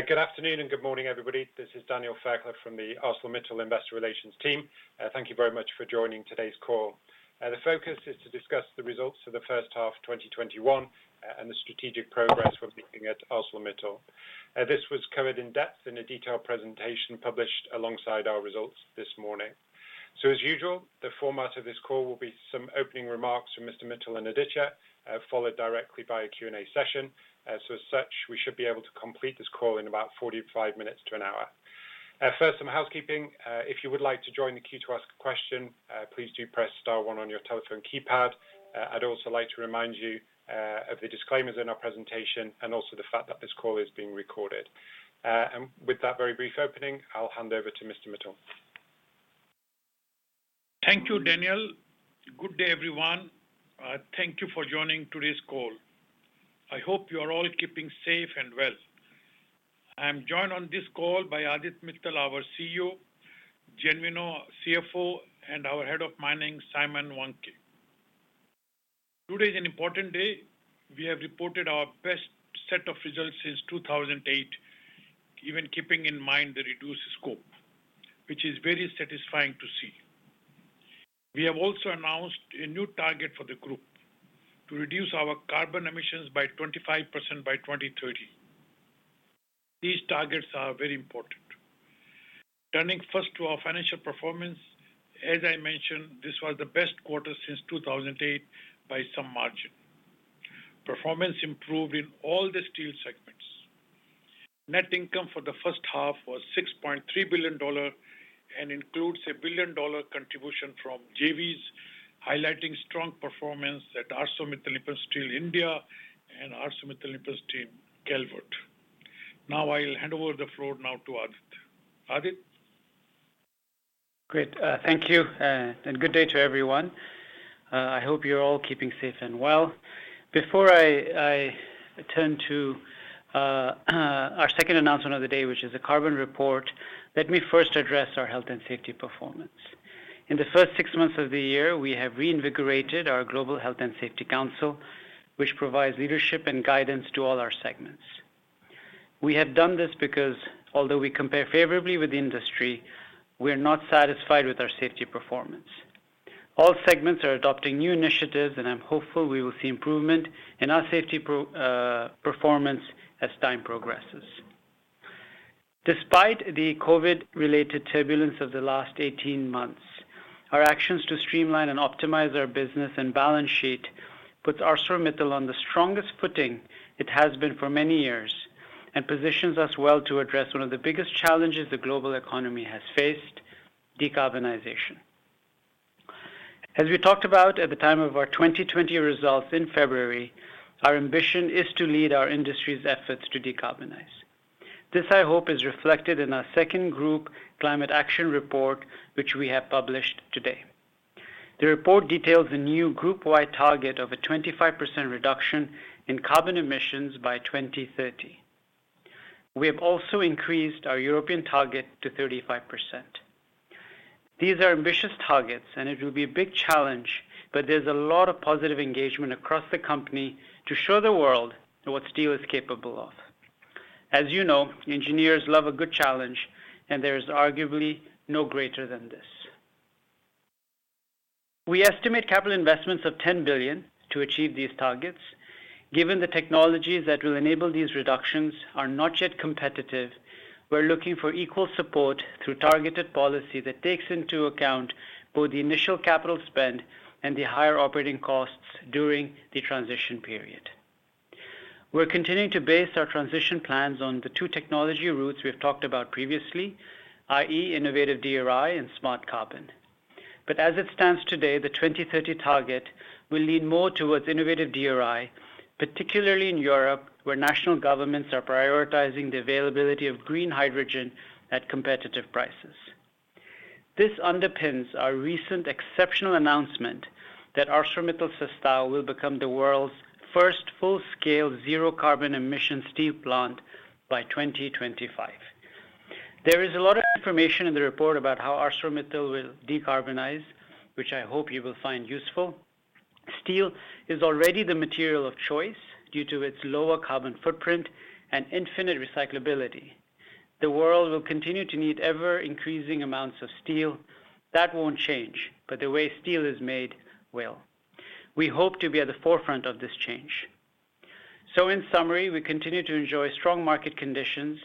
Good afternoon, and good morning, everybody. This is Daniel Fairclough from the ArcelorMittal Investor Relations team. Thank you very much for joining today's call. The focus is to discuss the results of the first half 2021, and the strategic progress we're making at ArcelorMittal. This was covered in depth in a detailed presentation published alongside our results this morning. As usual, the format of this call will be some opening remarks from Mr. Mittal and Aditya, followed directly by a Q&A session. As such, we should be able to complete this call in about 45 minutes to one hour. First, some housekeeping. If you would like to join the queue to ask a question, please do press star one on your telephone keypad. I'd also like to remind you of the disclaimers in our presentation and also the fact that this call is being recorded. With that very brief opening, I'll hand over to Mr. Mittal. Thank you, Daniel. Good day, everyone. Thank you for joining today's call. I hope you are all keeping safe and well. I am joined on this call by Aditya Mittal, our CEO, Genuino, CFO, and our Head of Mining, Simon Wandke. Today is an important day. We have reported our best set of results since 2008, even keeping in mind the reduced scope, which is very satisfying to see. We have also announced a new target for the group to reduce our carbon emissions by 25% by 2030. These targets are very important. Turning first to our financial performance, as I mentioned, this was the best quarter since 2008 by some margin. Performance improved in all the steel segments. Net income for the first half was $6.3 billion and includes a billion-dollar contribution from JVs, highlighting strong performance at ArcelorMittal Nippon Steel India and AM/NS Calvert. Now I will hand over the floor now to Aditya. Aditya? Great. Thank you, and good day to everyone. I hope you're all keeping safe and well. Before I turn to our second announcement of the day, which is the carbon report, let me first address our health and safety performance. In the first six months of the year, we have reinvigorated our Global Health and Safety Council, which provides leadership and guidance to all our segments. We have done this because, although we compare favorably with the industry, we are not satisfied with our safety performance. All segments are adopting new initiatives, and I'm hopeful we will see improvement in our safety performance as time progresses. Despite the COVID-related turbulence of the last 18 months, our actions to streamline and optimize our business and balance sheet puts ArcelorMittal on the strongest footing it has been for many years, and positions us well to address one of the biggest challenges the global economy has faced, decarbonization. As we talked about at the time of our 2020 results in February, our ambition is to lead our industry's efforts to decarbonize. This, I hope, is reflected in our second group Climate Action Report, which we have published today. The report details a new group-wide target of a 25% reduction in carbon emissions by 2030. We have also increased our European target to 35%. These are ambitious targets, and it will be a big challenge, but there's a lot of positive engagement across the company to show the world what steel is capable of. As you know, engineers love a good challenge, and there is arguably no greater than this. We estimate capital investments of $10 billion to achieve these targets. Given the technologies that will enable these reductions are not yet competitive, we're looking for equal support through targeted policy that takes into account both the initial capital spend and the higher operating costs during the transition period. We're continuing to base our transition plans on the two technology routes we've talked about previously, i.e., innovative DRI and smart carbon. As it stands today, the 2030 target will lead more towards innovative DRI, particularly in Europe, where national governments are prioritizing the availability of green hydrogen at competitive prices. This underpins our recent exceptional announcement that ArcelorMittal Sestao will become the world's first full-scale zero carbon emissions steel plant by 2025. There is a lot of information in the report about how ArcelorMittal will decarbonize, which I hope you will find useful. Steel is already the material of choice due to its lower carbon footprint and infinite recyclability. The world will continue to need ever-increasing amounts of steel. That won't change, but the way steel is made will. We hope to be at the forefront of this change. In summary, we continue to enjoy strong market conditions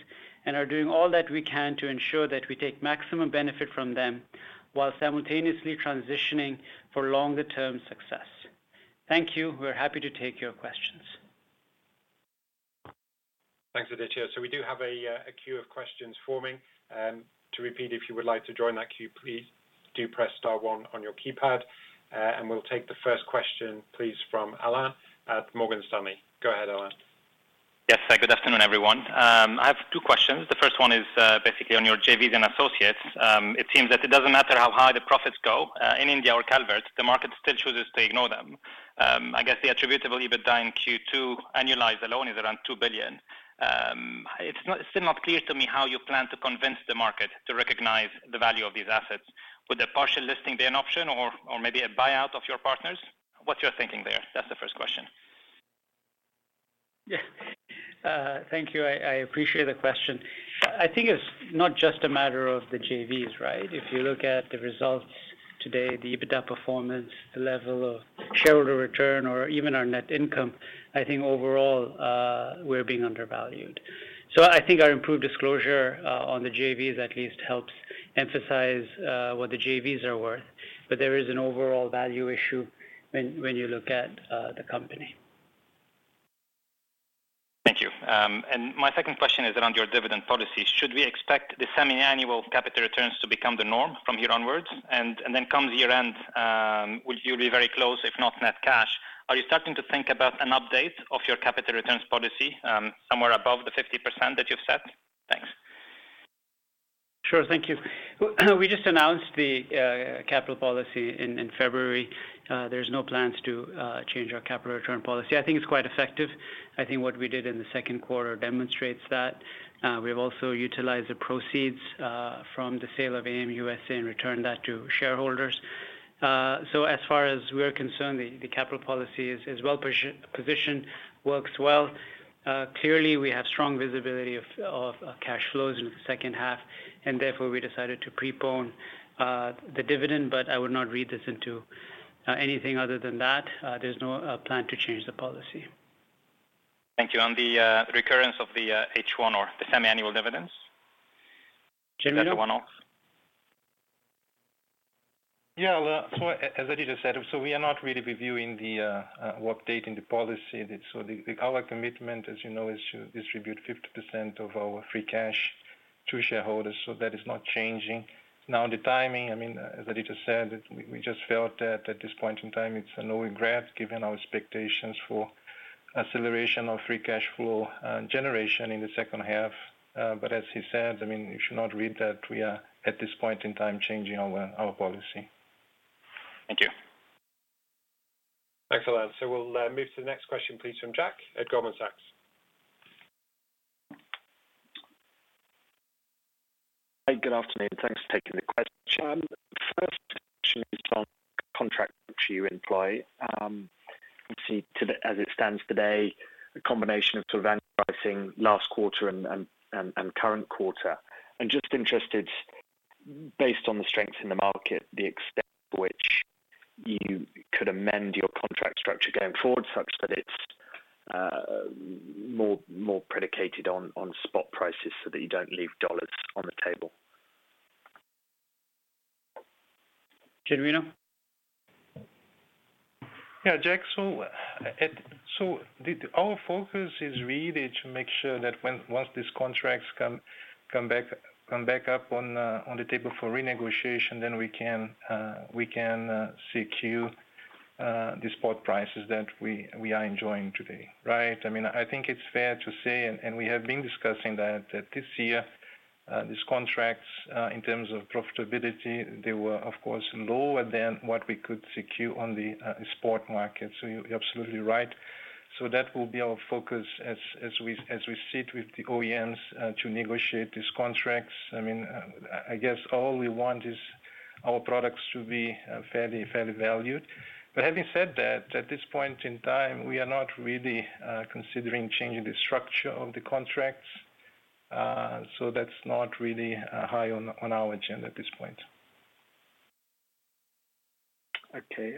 and are doing all that we can to ensure that we take maximum benefit from them while simultaneously transitioning for longer term success. Thank you. We're happy to take your questions. Thanks, Aditya. We do have a queue of questions forming. To repeat, if you would like to join that queue, please do press star one on your keypad. We'll take the first question, please, from Alain at Morgan Stanley. Go ahead, Alain. Yes. Good afternoon, everyone. I have two questions. The first one is basically on your JVs and associates. It seems that it doesn't matter how high the profits go in India or Calvert, the market still chooses to ignore them. I guess the attributable EBITDA in Q2 annualized alone is around $2 billion. It is still not clear to me how you plan to convince the market to recognize the value of these assets. Would a partial listing be an option or maybe a buyout of your partners? What's your thinking there? That's the first question. Yeah. Thank you. I appreciate the question. I think it's not just a matter of the JVs, right? If you look at the results today, the EBITDA performance, the level of shareholder return, or even our net income, I think overall, we're being undervalued. I think our improved disclosure on the JVs at least helps emphasize what the JVs are worth. There is an overall value issue when you look at the company. Thank you. My second question is around your dividend policy. Should we expect the semi-annual capital returns to become the norm from here onwards? Come year-end, you'll be very close, if not net cash. Are you starting to think about an update of your capital returns policy somewhere above the 50% that you've set? Thanks. Sure. Thank you. We just announced the capital policy in February. There's no plans to change our capital return policy. I think it's quite effective. I think what we did in the second quarter demonstrates that. We've also utilized the proceeds from the sale of ArcelorMittal USA and returned that to shareholders. As far as we're concerned, the capital policy is well-positioned, works well. Clearly, we have strong visibility of cash flows in the second half, and therefore we decided to prepone the dividend, but I would not read this into anything other than that. There's no plan to change the policy. Thank you. On the recurrence of the H1 or the semi-annual dividends. Is that a one-off? Yeah. As Aditya said, we are not really reviewing or updating the policy. Our commitment, as you know, is to distribute 50% of our free cash to shareholders, that is not changing. The timing, as Aditya said, we just felt that at this point in time, it's a no regrets given our expectations for acceleration of free cash flow generation in the second half. As he said, you should not read that we are at this point in time changing our policy. Thank you. Excellent. We'll move to the next question, please, from Jack at Goldman Sachs. Hey, good afternoon. Thanks for taking the question. First question is on contract which you employ. Obviously, as it stands today, a combination of sort of annual pricing last quarter and current quarter, I am just interested based on the strengths in the market, the extent to which you could amend your contract structure going forward such that it is more predicated on spot prices so that you don't leave dollars on the table. Genuino? Jack, our focus is really to make sure that once these contracts come back up on the table for renegotiation, then we can secure the spot prices that we are enjoying today, right? I think it's fair to say, and we have been discussing that this year, these contracts, in terms of profitability, they were of course lower than what we could secure on the spot market. You're absolutely right. That will be our focus as we sit with the OEMs to negotiate these contracts. I guess all we want is our products to be fairly valued. Having said that, at this point in time, we are not really considering changing the structure of the contracts. That's not really high on our agenda at this point. Okay.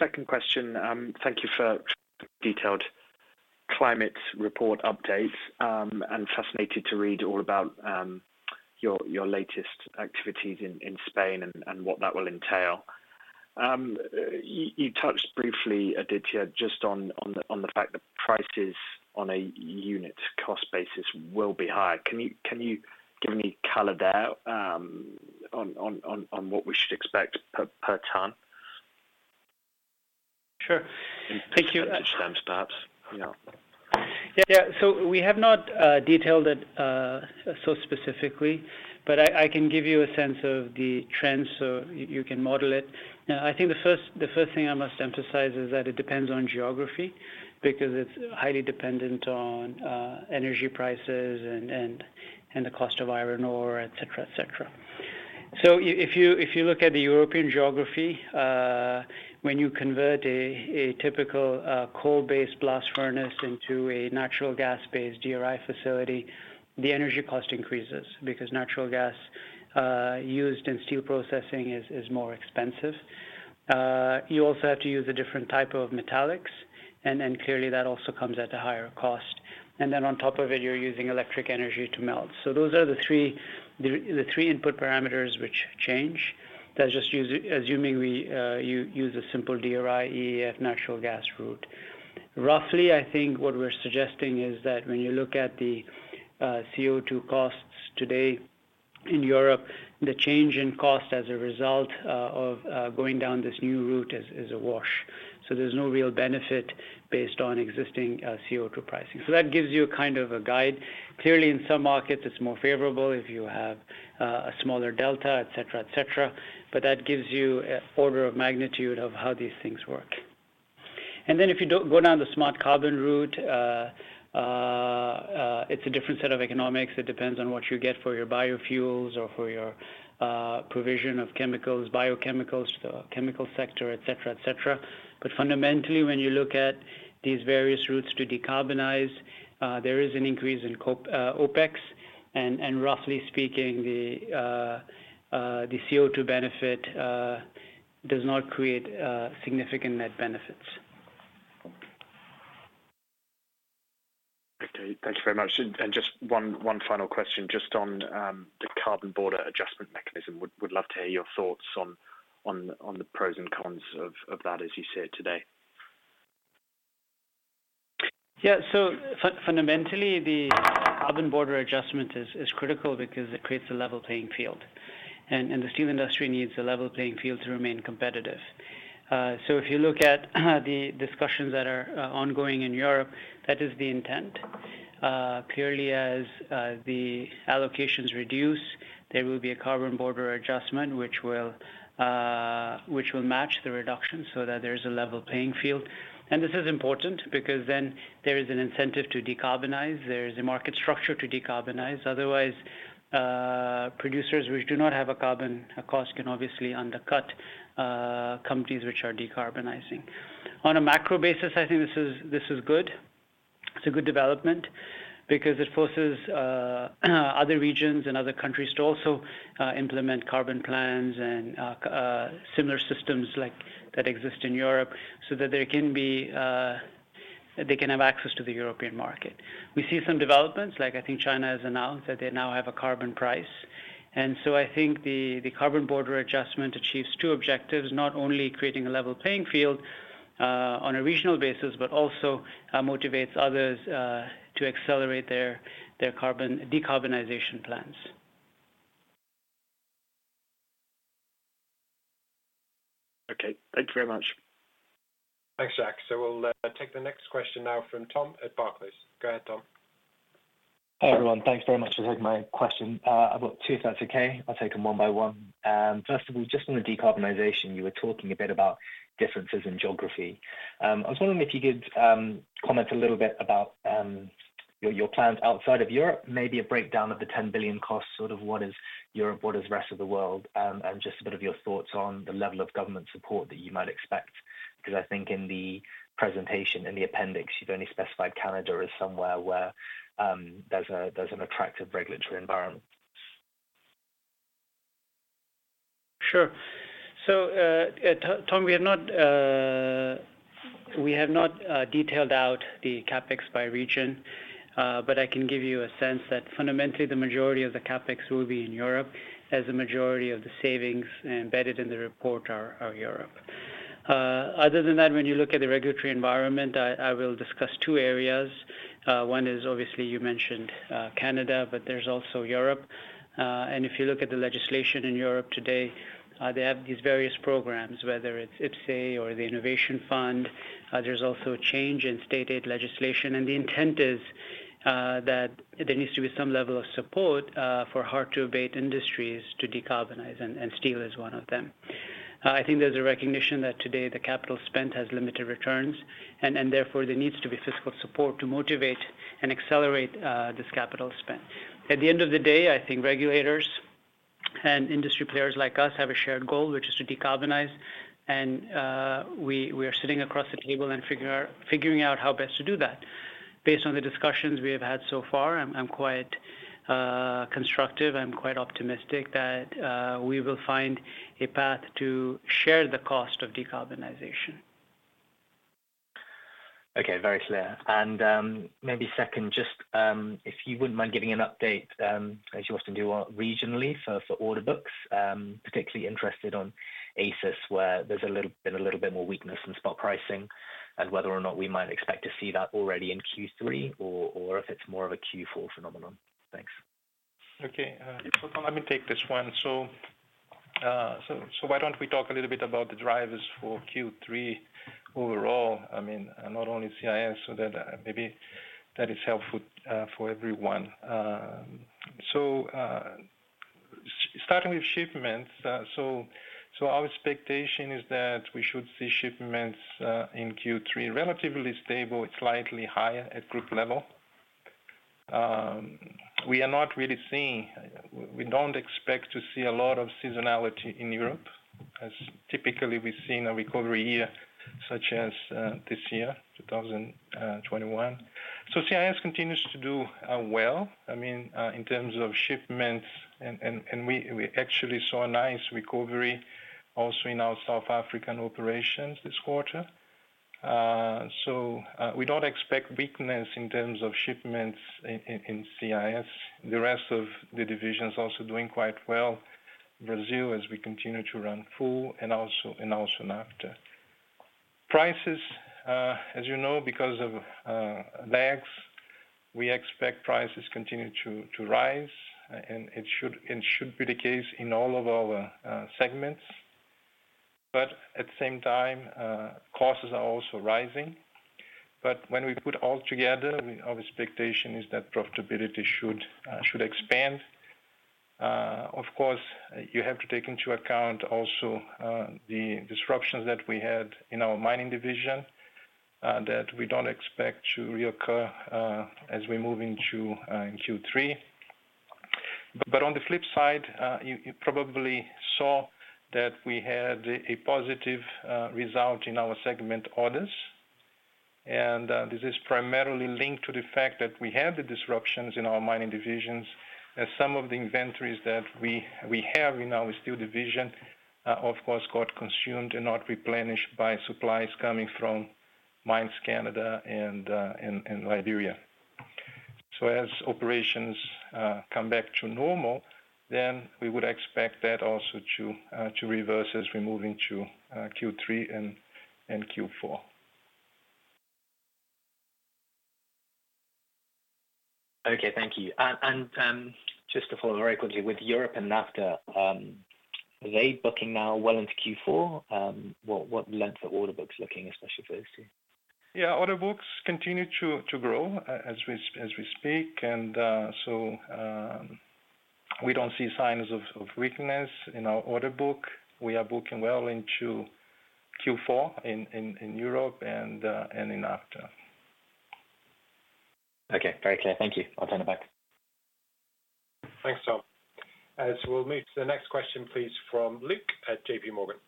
Second question. Thank you for detailed climate report update. I'm fascinated to read all about your latest activities in Spain and what that will entail. You touched briefly, Aditya, just on the fact that prices on a unit cost basis will be higher. Can you give me color there on what we should expect per ton? Sure. Thank you. We have not detailed it so specifically, but I can give you a sense of the trends so you can model it. I think the first thing I must emphasize is that it depends on geography because it's highly dependent on energy prices and the cost of iron ore, et cetera. If you look at the European geography, when you convert a typical coal-based blast furnace into a natural gas-based DRI facility, the energy cost increases because natural gas used in steel processing is more expensive. You also have to use a different type of metallics, and then clearly that also comes at a higher cost. On top of it, you're using electric energy to melt. Those are the three input parameters which change. That's just assuming we use a simple DRI, EAF natural gas route. Roughly, I think what we're suggesting is that when you look at the CO2 costs today in Europe, the change in cost as a result of going down this new route is a wash. There's no real benefit based on existing CO2 pricing. That gives you a kind of a guide. Clearly in some markets, it's more favorable if you have a smaller delta, et cetera. That gives you an order of magnitude of how these things work. Then if you don't go down the smart carbon route, it's a different set of economics. It depends on what you get for your biofuels or for your provision of chemicals, biochemicals, the chemical sector, et cetera. Fundamentally, when you look at these various routes to decarbonize, there is an increase in OpEx, and roughly speaking, the CO2 benefit does not create significant net benefits. Okay. Thank you very much. Just one final question just on the Carbon Border Adjustment Mechanism. Would love to hear your thoughts on the pros and cons of that as you see it today. Fundamentally, the Carbon Border Adjustment is critical because it creates a level playing field, and the steel industry needs a level playing field to remain competitive. If you look at the discussions that are ongoing in Europe, that is the intent. Clearly, as the allocations reduce, there will be a Carbon Border Adjustment which will match the reduction so that there is a level playing field. This is important because then there is an incentive to decarbonize, there is a market structure to decarbonize. Producers which do not have a carbon cost can obviously undercut companies which are decarbonizing. On a macro basis, I think this is good. It's a good development because it forces other regions and other countries to also implement carbon plans and similar systems like that exist in Europe so that they can have access to the European market. We see some developments, like I think China has announced that they now have a carbon price. I think the Carbon Border Adjustment achieves two objectives, not only creating a level playing field, on a regional basis, but also motivates others to accelerate their decarbonization plans. Okay. Thank you very much. Thanks, Jack. We'll take the next question now from Tom at Barclays. Go ahead, Tom. Hi, everyone. Thanks very much for taking my question. I've got two, if that's okay. I'll take them one by one. First of all, just on the decarbonization, you were talking a bit about differences in geography. I was wondering if you could comment a little bit about your plans outside of Europe, maybe a breakdown of the $10 billion cost, sort of what is Europe, what is the rest of the world, and just a bit of your thoughts on the level of government support that you might expect. I think in the presentation, in the appendix, you've only specified Canada as somewhere where there's an attractive regulatory environment. Sure. Tom, we have not detailed out the CapEx by region, but I can give you a sense that fundamentally the majority of the CapEx will be in Europe, as the majority of the savings embedded in the report are Europe. Other than that, when you look at the regulatory environment, I will discuss two areas. One is obviously you mentioned Canada, but there's also Europe. If you look at the legislation in Europe today, they have these various programs, whether it's IPCEI or the Innovation Fund. There's also a change in state aid legislation, and the intent is that there needs to be some level of support for hard-to-abate industries to decarbonize, and steel is one of them. I think there's a recognition that today the capital spent has limited returns, and therefore there needs to be fiscal support to motivate and accelerate this capital spend. At the end of the day, I think regulators and industry players like us have a shared goal, which is to decarbonize. We are sitting across the table and figuring out how best to do that. Based on the discussions we have had so far, I'm quite constructive. I'm quite optimistic that we will find a path to share the cost of decarbonization. Okay. Very clear. Maybe second, just if you wouldn't mind giving an update, as you often do regionally for order books, particularly interested on ACIS where there's been a little bit more weakness in spot pricing and whether or not we might expect to see that already in Q3 or if it's more of a Q4 phenomenon. Thanks. Okay. Tom, let me take this one. Why don't we talk a little bit about the drivers for Q3 overall, I mean, not only CIS, so that maybe that is helpful for everyone. Starting with shipments, our expectation is that we should see shipments, in Q3, relatively stable, slightly higher at group level. We don't expect to see a lot of seasonality in Europe, as typically we see in a recovery year such as this year, 2021. CIS continues to do well, I mean, in terms of shipments and we actually saw a nice recovery also in our South African operations this quarter. We don't expect weakness in terms of shipments in CIS. The rest of the division is also doing quite well. Brazil, as we continue to run full and also in NAFTA. Prices, as you know, because of lags, we expect prices continue to rise and it should be the case in all of our segments. At the same time, costs are also rising. When we put all together, our expectation is that profitability should expand. Of course, you have to take into account also the disruptions that we had in our mining division that we don't expect to reoccur as we move into Q3. On the flip side, you probably saw that we had a positive result in our segment Others. This is primarily linked to the fact that we had the disruptions in our mining divisions as some of the inventories that we have in our steel division, of course, got consumed and not replenished by supplies coming from Mines Canada and Liberia. As operations come back to normal, then we would expect that also to reverse as we move into Q3 and Q4. Okay, thank you. Just to follow very quickly with Europe and NAFTA, are they booking now well into Q4? What length are order books looking especially for these two? Yeah, order books continue to grow as we speak. We don't see signs of weakness in our order book. We are booking well into Q4 in Europe and in NAFTA. Okay. Very clear. Thank you. I'll turn it back. Thanks, Tom. As we'll move to the next question, please, from Luke at JPMorgan.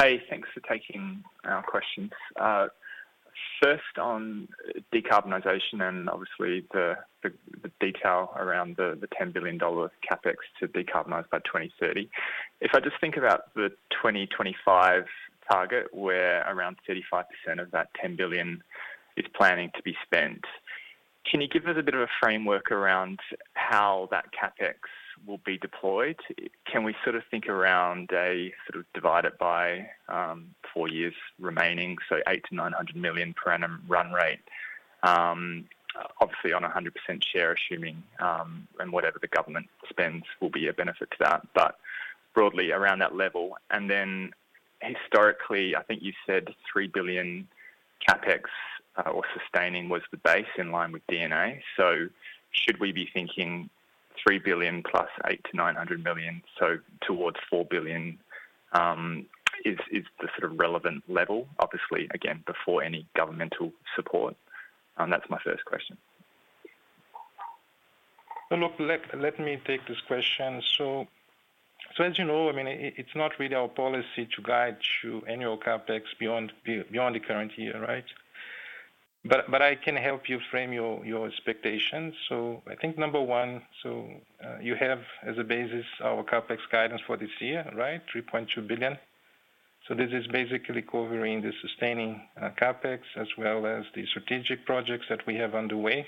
Hey, thanks for taking our questions. First on decarbonization and obviously the detail around the $10 billion CapEx to decarbonize by 2030. If I just think about the 2025 target, where around 35% of that $10 billion is planning to be spent, can you give us a bit of a framework around how that CapEx will be deployed? Can we sort of think around a sort of divided by four years remaining, so $800 million-$900 million per annum run rate, obviously on 100% share, assuming, and whatever the government spends will be a benefit to that, but broadly around that level. Historically, I think you said $3 billion CapEx or sustaining was the base in line with D&A. Should we be thinking $3 billion + $800 million-$900 million, so towards $4 billion is the sort of relevant level, obviously, again, before any governmental support? That's my first question. Look, let me take this question. As you know, it's not really our policy to guide you annual CapEx beyond the current year, right? I can help you frame your expectations. You have as a basis our CapEx guidance for this year, right? $3.2 billion. This is basically covering the sustaining CapEx as well as the strategic projects that we have underway.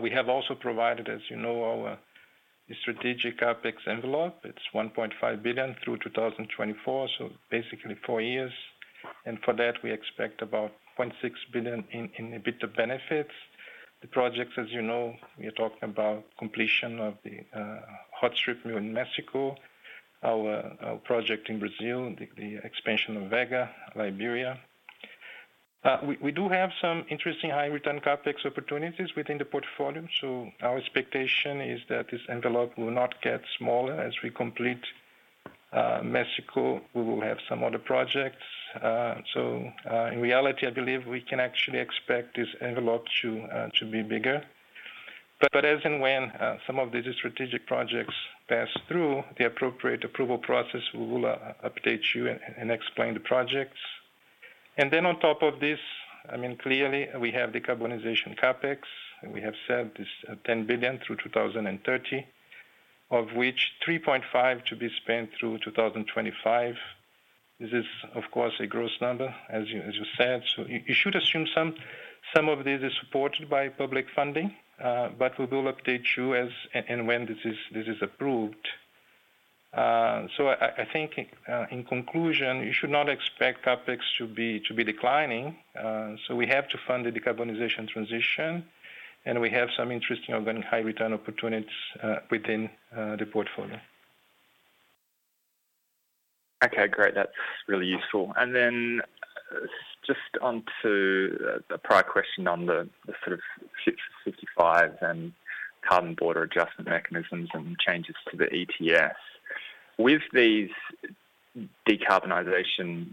We have also provided, as you know, our strategic CapEx envelope. It's $1.5 billion through 2024, basically four years. For that, we expect about $600 million in EBITDA benefits. The projects, as you know, we are talking about completion of the hot strip mill in Mexico, our project in Brazil, the expansion of Vega, Liberia. We do have some interesting high return CapEx opportunities within the portfolio. Our expectation is that this envelope will not get smaller. As we complete Mexico, we will have some other projects. In reality, I believe we can actually expect this envelope to be bigger. As and when some of these strategic projects pass through the appropriate approval process, we will update you and explain the projects. On top of this, clearly we have decarbonization CapEx, and we have said this $10 billion through 2030, of which $3.5 billion to be spent through 2025. This is, of course, a gross number, as you said. You should assume some of this is supported by public funding. We will update you as and when this is approved. I think in conclusion, you should not expect CapEx to be declining. We have to fund the decarbonization transition, and we have some interesting high return opportunities within the portfolio. Okay, great. That's really useful. Just onto the prior question on the sort of Fit for 55 and Carbon Border Adjustment Mechanisms and changes to the ETS. With the decarbonization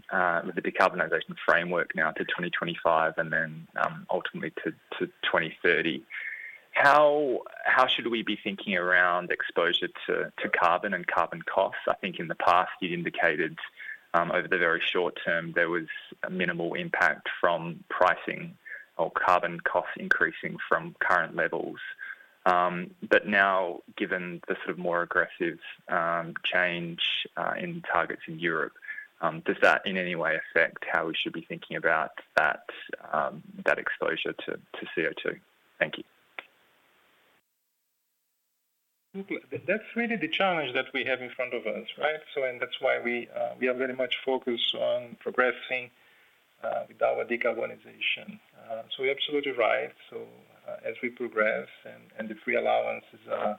framework now to 2025 and then ultimately to 2030, how should we be thinking around exposure to carbon and carbon costs? I think in the past you'd indicated, over the very short term, there was a minimal impact from pricing or carbon costs increasing from current levels. Now, given the sort of more aggressive change in targets in Europe, does that in any way affect how we should be thinking about that exposure to CO2? Thank you. Luke, that's really the challenge that we have in front of us, right? That's why we are very much focused on progressing with our decarbonization. You're absolutely right. As we progress and the free allowances are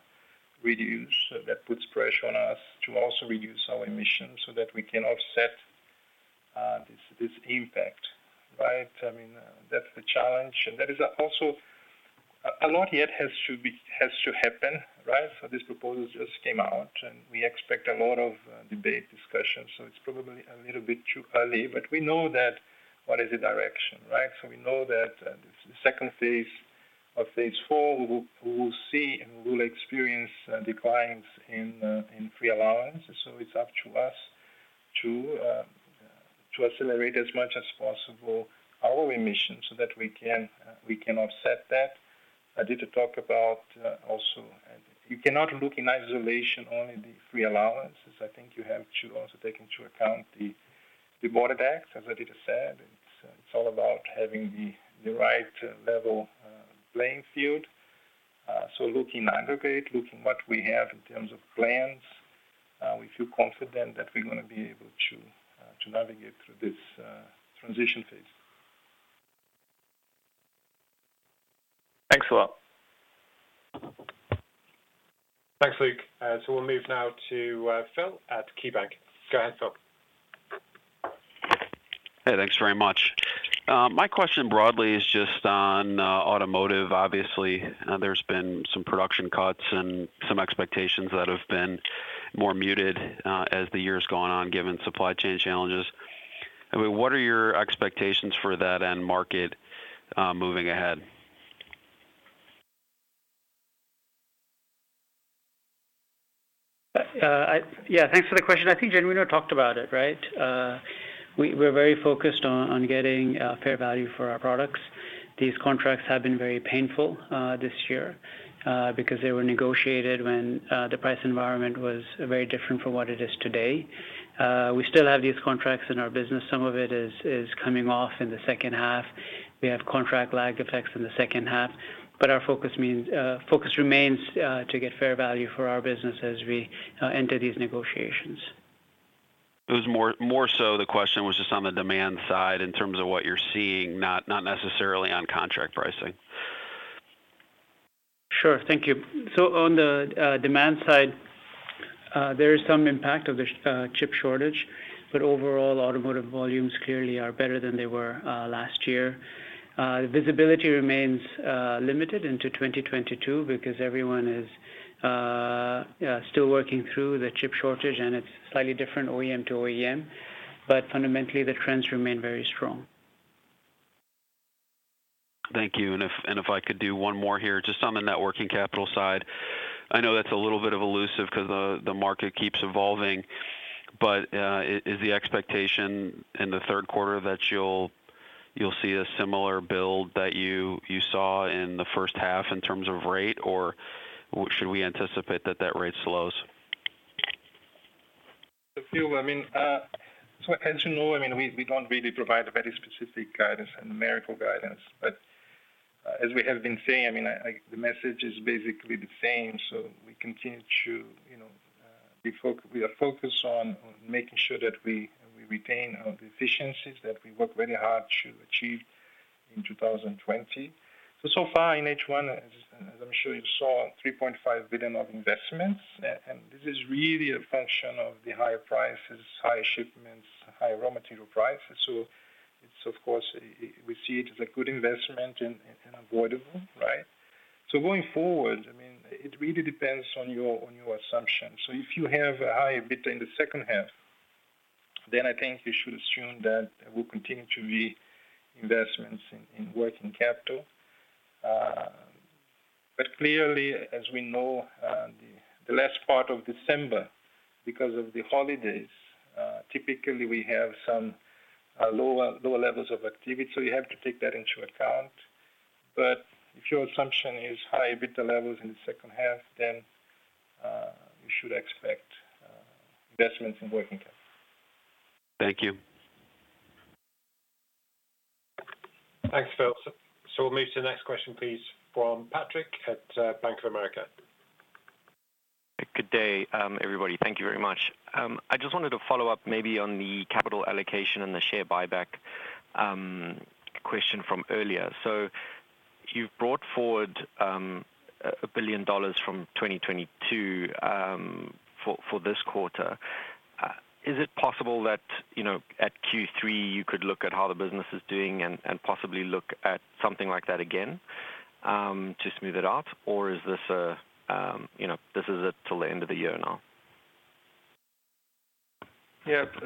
reduced, that puts pressure on us to also reduce our emissions so that we can offset this impact, right? That's the challenge. That is also a lot yet has to happen, right? This proposal just came out, and we expect a lot of debate, discussion. It's probably a little bit too early. We know that what is the direction, right? We know that the second phase of phase four, we will see and we will experience declines in free allowance. It's up to us to accelerate as much as possible our emissions so that we can offset that. Aditya talked about also, you cannot look in isolation only the free allowances. I think you have to also take into account the border tax, as Aditya said. It's all about having the right level playing field. Look in aggregate, looking what we have in terms of plans. We feel confident that we're going to be able to navigate through this transition phase. Thanks a lot. Thanks, Luke. We'll move now to Phil at KeyBanc. Go ahead, Phil. Hey, thanks very much. My question broadly is just on automotive. Obviously, there's been some production cuts and some expectations that have been more muted as the year has gone on, given supply chain challenges. What are your expectations for that end market moving ahead? Yeah, thanks for the question. I think Genuino talked about it, right? We're very focused on getting fair value for our products. These contracts have been very painful this year because they were negotiated when the price environment was very different from what it is today. We still have these contracts in our business. Some of it is coming off in the second half. We have contract lag effects in the second half, but our focus remains to get fair value for our business as we enter these negotiations. It was more so the question was just on the demand side in terms of what you're seeing, not necessarily on contract pricing. Sure. Thank you. On the demand side, there is some impact of the chip shortage, but overall, automotive volumes clearly are better than they were last year. Visibility remains limited into 2022 because everyone is still working through the chip shortage, and it's slightly different OEM to OEM, but fundamentally, the trends remain very strong. Thank you. If I could do one more here, just on the net working capital side. I know that's a little bit of elusive because the market keeps evolving, but is the expectation in the third quarter that you'll see a similar build that you saw in the first half in terms of rate, or should we anticipate that that rate slows? Phil, as you know, we don't really provide a very specific guidance and numerical guidance. As we have been saying, the message is basically the same. We continue to be focused on making sure that we retain the efficiencies that we work very hard to achieve in 2020. So far in H1, as I'm sure you saw, $3.5 billion of investments, and this is really a function of the higher prices, higher shipments, higher raw material prices. Of course, we see it as a good investment and avoidable, right? Going forward, it really depends on your assumption. If you have a high EBITDA in the second half, then I think you should assume that there will continue to be investments in working capital. Clearly, as we know the last part of December, because of the holidays, typically we have some lower levels of activity, so you have to take that into account. If your assumption is high EBITDA levels in the second half, then you should expect investments in working capital. Thank you. Thanks, Phil. We'll move to the next question, please, from Patrick at Bank of America. Good day, everybody. Thank you very much. I just wanted to follow up maybe on the capital allocation and the share buyback question from earlier. You've brought forward $1 billion from 2022 for this quarter. Is it possible that at Q3, you could look at how the business is doing and possibly look at something like that again to smooth it out? Is this it till the end of the year now?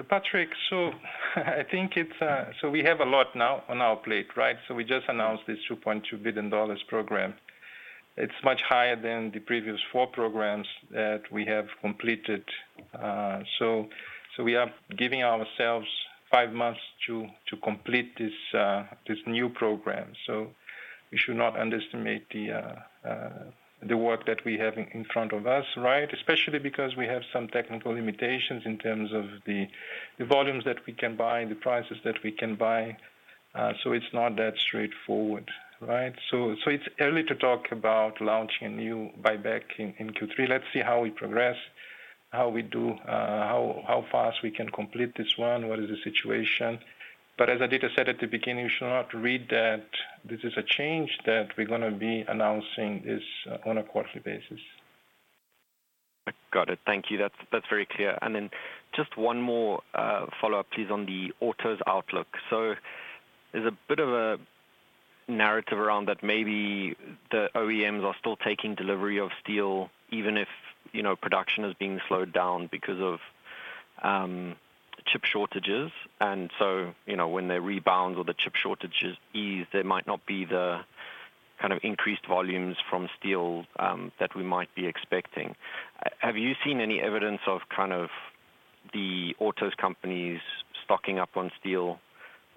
Patrick, we have a lot now on our plate, right? We just announced this $2.2 billion program. It's much higher than the previous four programs that we have completed. We are giving ourselves five months to complete this new program. You should not underestimate the work that we have in front of us, right? Especially because we have some technical limitations in terms of the volumes that we can buy, the prices that we can buy. It's not that straightforward, right? It's early to talk about launching a new buyback in Q3. Let's see how we progress how we do, how fast we can complete this one, what is the situation. As Aditya said at the beginning, you should not read that this is a change that we're going to be announcing this on a quarterly basis. Got it. Thank you. That's very clear. Just one more follow-up, please, on the autos outlook. There's a bit of a narrative around that maybe the OEMs are still taking delivery of steel, even if production is being slowed down because of chip shortages. When they rebound or the chip shortages ease, there might not be the increased volumes from steel that we might be expecting. Have you seen any evidence of the autos companies stocking up on steel?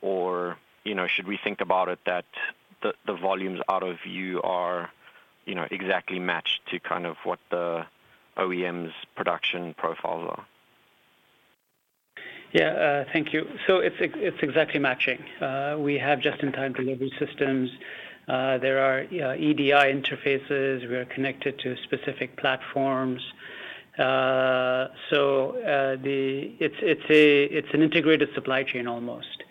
Should we think about it that the volumes out of you are exactly matched to what the OEMs production profiles are? Yeah. Thank you. It's exactly matching. We have just-in-time delivery systems. There are EDI interfaces. We are connected to specific platforms. It's an integrated supply chain almost.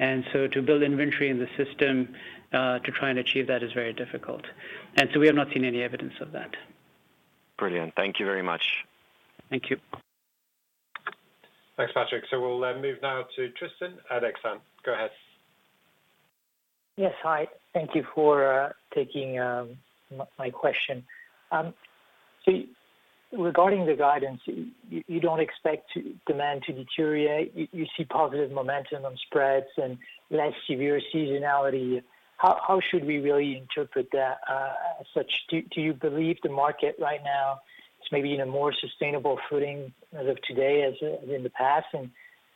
To build inventory in the system, to try and achieve that is very difficult. We have not seen any evidence of that. Brilliant. Thank you very much. Thank you. Thanks, Patrick. We'll move now to Tristan at Exane. Go ahead. Yes. Hi. Thank you for taking my question. Regarding the guidance, you don't expect demand to deteriorate. You see positive momentum on spreads and less severe seasonality. How should we really interpret that as such? Do you believe the market right now is maybe in a more sustainable footing as of today as in the past, and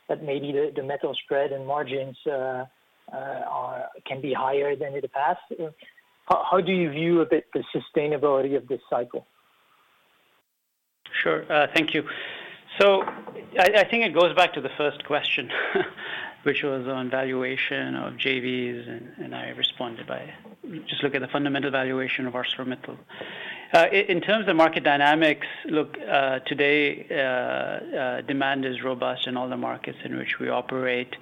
that maybe the metal spread and margins can be higher than in the past? How do you view a bit the sustainability of this cycle? Sure. Thank you. I think it goes back to the first question which was on valuation of JVs, and I responded by just look at the fundamental valuation of ArcelorMittal. In terms of market dynamics, look, today, demand is robust in all the markets in which we operate.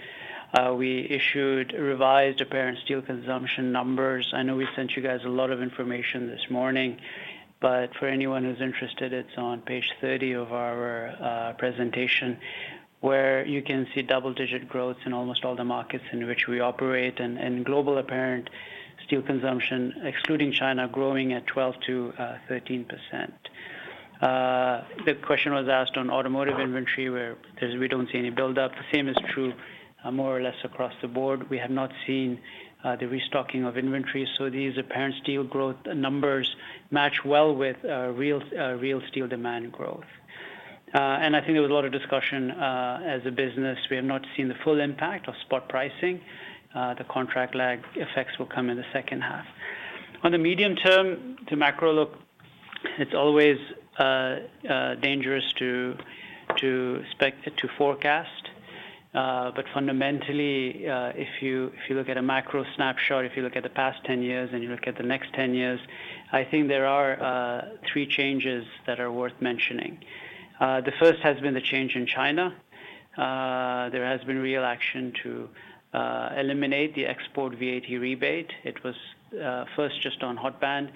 We issued revised apparent steel consumption numbers. I know we sent you guys a lot of information this morning, but for anyone who's interested, it's on page 30 of our presentation, where you can see double-digit growth in almost all the markets in which we operate. Global apparent steel consumption, excluding China, growing at 12%-13%. The question was asked on automotive inventory, where we don't see any buildup. The same is true more or less across the board. We have not seen the restocking of inventory, so these apparent steel growth numbers match well with real steel demand growth. I think there was a lot of discussion as a business, we have not seen the full impact of spot pricing. The contract lag effects will come in the second half. On the medium term, the macro look, it's always dangerous to forecast. Fundamentally, if you look at a macro snapshot, if you look at the past 10 years and you look at the next 10 years, I think there are three changes that are worth mentioning. The first has been the change in China. There has been real action to eliminate the export VAT rebate. It was first just on hot band.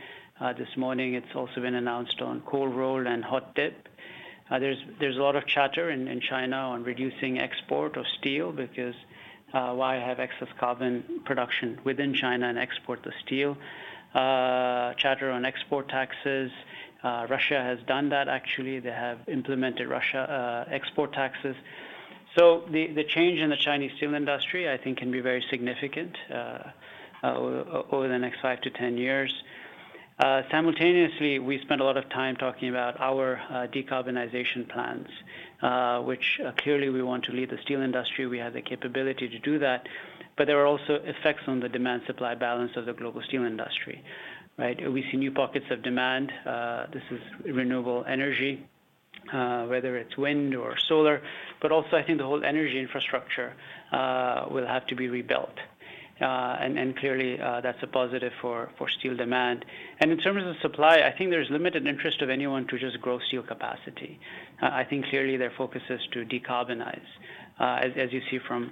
This morning, it's also been announced on cold rolled and hot dip. There's a lot of chatter in China on reducing export of steel because why have excess carbon production within China and export the steel? Chatter on export taxes. Russia has done that, actually. They have implemented Russia export taxes. The change in the Chinese steel industry, I think can be very significant over the next 5 to 10 years. Simultaneously, we spent a lot of time talking about our decarbonization plans, which clearly we want to lead the steel industry. We have the capability to do that, there are also effects on the demand-supply balance of the global steel industry. Right? We see new pockets of demand. This is renewable energy, whether it's wind or solar. Also, I think the whole energy infrastructure will have to be rebuilt. Clearly, that's a positive for steel demand. In terms of supply, I think there's limited interest of anyone to just grow steel capacity. I think clearly their focus is to decarbonize, as you see from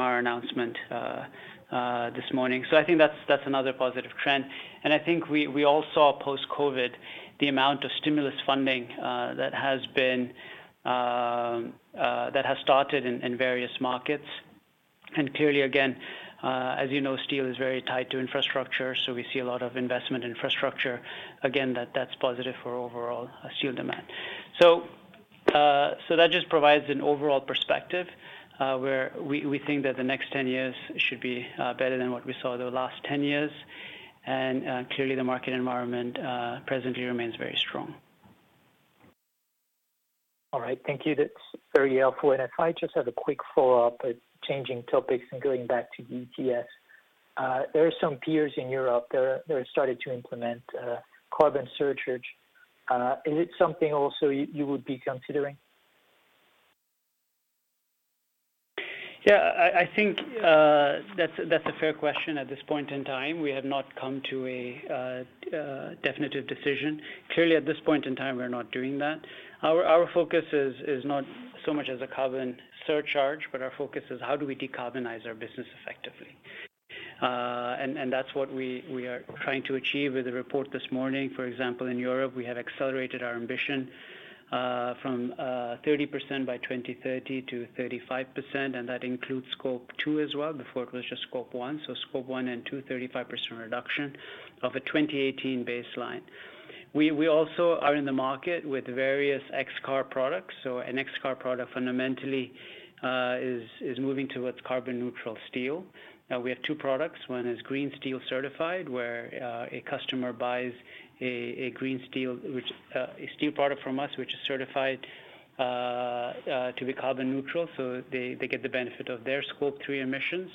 our announcement this morning. I think that's another positive trend. I think we all saw post-COVID, the amount of stimulus funding that has started in various markets. Clearly, again, as you know, steel is very tied to infrastructure, so we see a lot of investment infrastructure. That's positive for overall steel demand. That just provides an overall perspective, where we think that the next 10 years should be better than what we saw the last 10 years. Clearly the market environment presently remains very strong. All right. Thank you. That's very helpful. If I just have a quick follow-up, changing topics and going back to ETS. There are some peers in Europe that have started to implement carbon surcharge. Is it something also you would be considering? Yeah, I think that's a fair question. At this point in time, we have not come to a definitive decision. Clearly, at this point in time, we are not doing that. Our focus is not so much as a carbon surcharge, but our focus is how do we decarbonize our business effectively? That's what we are trying to achieve with the report this morning. For example, in Europe, we have accelerated our ambition from 30% by 2030 to 35%, and that includes Scope 2 as well. Before it was just Scope 1. Scope 1 and 2, 35% reduction of a 2018 baseline. We also are in the market with various XCarb products. An XCarb product fundamentally is moving towards carbon neutral steel. Now we have two products. One is green steel certified, where a customer buys a steel product from us, which is certified to be carbon neutral. They get the benefit of their Scope 3 emissions.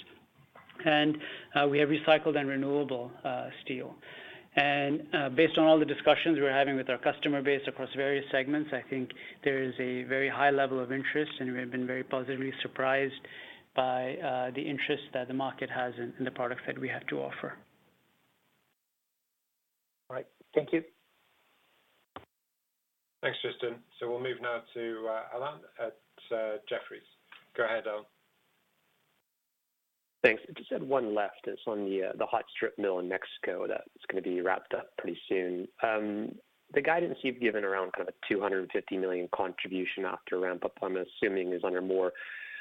We have recycled and renewable steel. Based on all the discussions we're having with our customer base across various segments, I think there is a very high level of interest, and we have been very positively surprised by the interest that the market has in the product that we have to offer. All right. Thank you. Thanks, Tristan. We'll move now to Alan at Jefferies. Go ahead, Alain. Thanks. I just had one left. It's on the hot strip mill in Mexico that it's going to be wrapped up pretty soon. The guidance you've given around kind of $250 million contribution after ramp up, I'm assuming is under more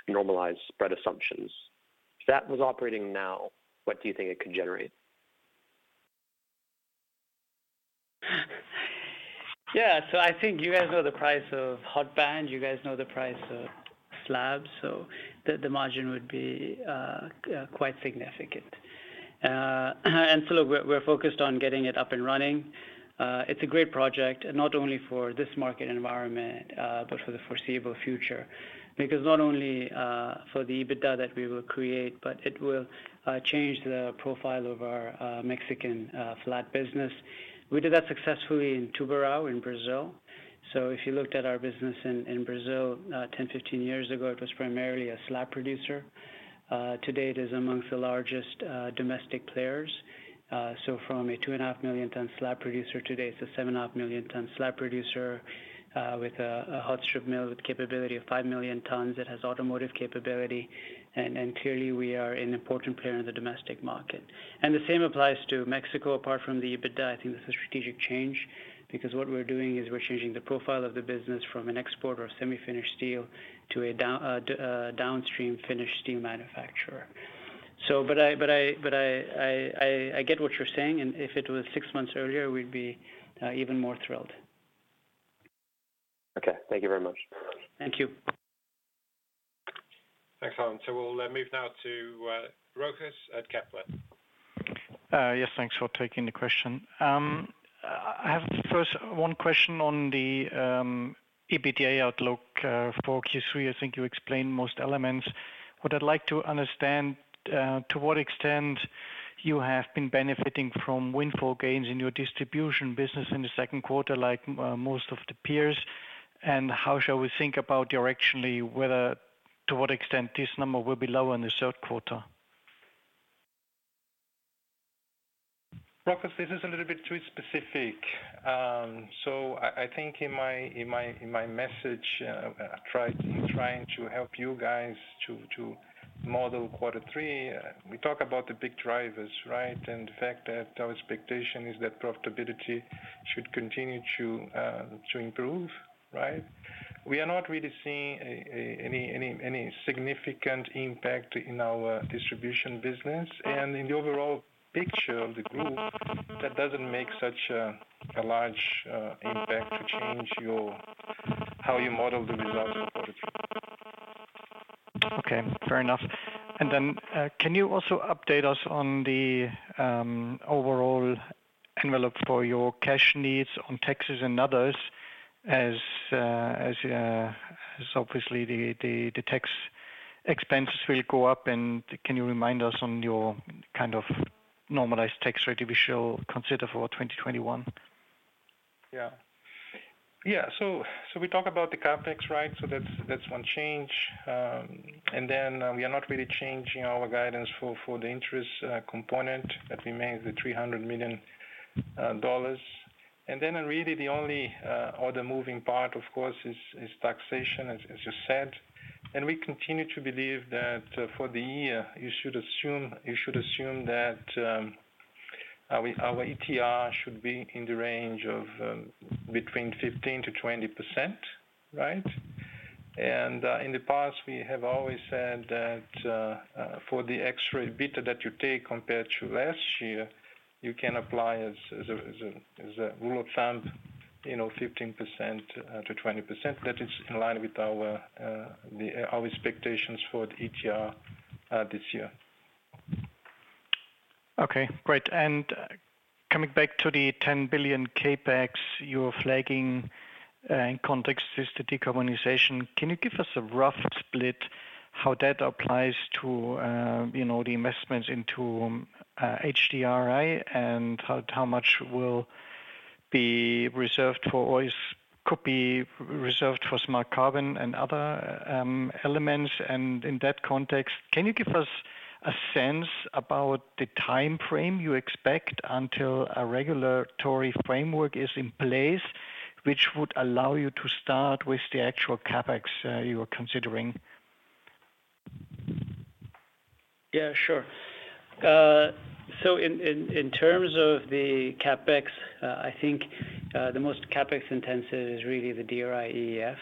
normalized spread assumptions. If that was operating now, what do you think it could generate? Yeah. I think you guys know the price of hot band. You guys know the price of slab. The margin would be quite significant. Look, we're focused on getting it up and running. It's a great project not only for this market environment, but for the foreseeable future, because not only for the EBITDA that we will create, but it will change the profile of our Mexican flat business. We did that successfully in Tubarão in Brazil. If you looked at our business in Brazil 10, 15 years ago, it was primarily a slab producer. Today it is amongst the largest domestic players. From a 2.5 million ton slab producer, today it's a 7.5 million ton slab producer, with a hot strip mill with capability of 5 million tons. It has automotive capability. Clearly we are an important player in the domestic market. The same applies to Mexico. Apart from the EBITDA, I think this is a strategic change because what we're doing is we're changing the profile of the business from an exporter of semi-finished steel to a downstream finished steel manufacturer. I get what you're saying, and if it was six months earlier, we'd be even more thrilled. Okay. Thank you very much. Thank you. Thanks, Alan. We'll move now to Rochus at Kepler. Yes, thanks for taking the question. I have first one question on the EBITDA outlook for Q3. I think you explained most elements. What I'd like to understand, to what extent you have been benefiting from windfall gains in your distribution business in the second quarter, like most of the peers, and how shall we think about directionally whether to what extent this number will be lower in the third quarter? Rochus, this is a little bit too specific. I think in my message, trying to help you guys to model quarter three, we talk about the big drivers, right? The fact that our expectation is that profitability should continue to improve, right? We are not really seeing any significant impact in our distribution business and in the overall picture of the group, that doesn't make such a large impact to change how you model the results in quarter three. Okay. Fair enough. Can you also update us on the overall envelope for your cash needs on taxes and others as obviously the tax expenses will go up. Can you remind us on your kind of normalized tax rate we shall consider for 2021? Yeah. We talk about the CapEx, right? That's one change. We are not really changing our guidance for the interest component. That remains at $300 million. Really the only other moving part, of course, is taxation, as you said. We continue to believe that for the year, you should assume that our ETR should be in the range of between 15%-20%, right? In the past, we have always said that for the extra EBITDA that you take compared to last year, you can apply as a rule of thumb, 15%-20%. That is in line with our expectations for the ETR this year. Okay, great. Coming back to the $10 billion CapEx you're flagging in context is the decarbonization. Can you give us a rough split how that applies to the investments into HDRI and how much will be reserved for, or could be reserved for smart carbon and other elements. In that context, can you give us a sense about the time frame you expect until a regulatory framework is in place which would allow you to start with the actual CapEx you are considering? Yeah, sure. In terms of the CapEx, I think the most CapEx intensive is really the DRI-EAF.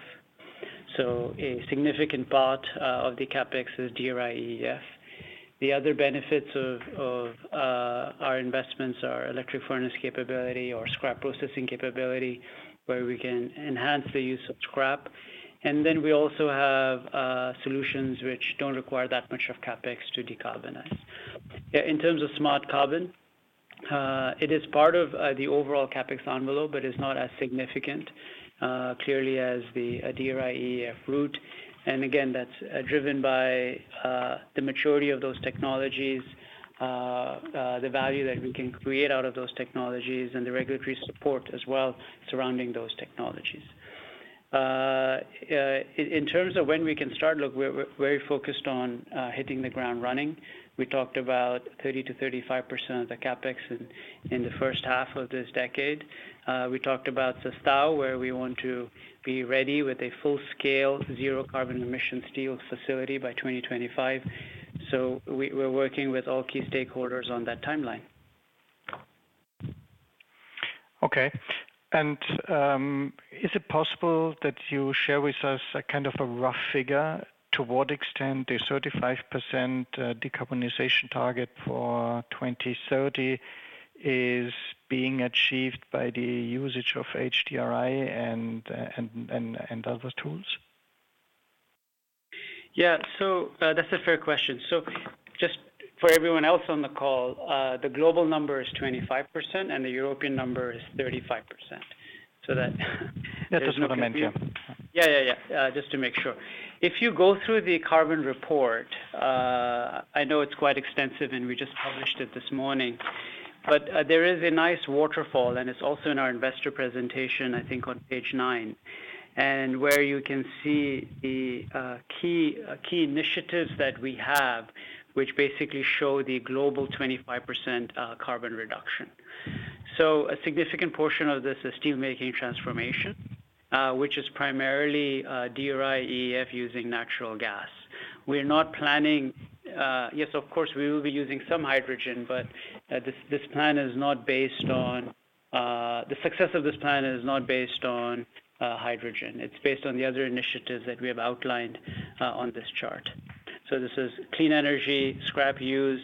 A significant part of the CapEx is DRI-EAF. The other benefits of our investments are electric furnace capability or scrap processing capability, where we can enhance the use of scrap. We also have solutions which don't require that much of CapEx to decarbonize. In terms of smart carbon, it is part of the overall CapEx envelope, but is not as significant, clearly as the DRI-EAF route. Again, that's driven by the maturity of those technologies, the value that we can create out of those technologies, and the regulatory support as well surrounding those technologies. In terms of when we can start, look, we're very focused on hitting the ground running. We talked about 30%-35% of the CapEx in the first half of this decade. We talked about Sestao, where we want to be ready with a full-scale zero carbon-emission steel facility by 2025. We're working with all key stakeholders on that timeline. Okay. Is it possible that you share with us a kind of a rough figure to what extent the 35% decarbonization target for 2030 is being achieved by the usage of HDRI and other tools? Yeah. That's a fair question. Just for everyone else on the call, the global number is 25% and the European number is 35%. That is what I meant, yeah. Just to make sure. If you go through the carbon report, I know it is quite extensive and we just published it this morning, but there is a nice waterfall, and it is also in our investor presentation, I think on page nine. Where you can see the key initiatives that we have, which basically show the global 25% carbon reduction. A significant portion of this is steelmaking transformation, which is primarily DRI-EAF using natural gas. Yes, of course, we will be using some hydrogen, but the success of this plan is not based on hydrogen. It is based on the other initiatives that we have outlined on this chart. This is clean energy, scrap use,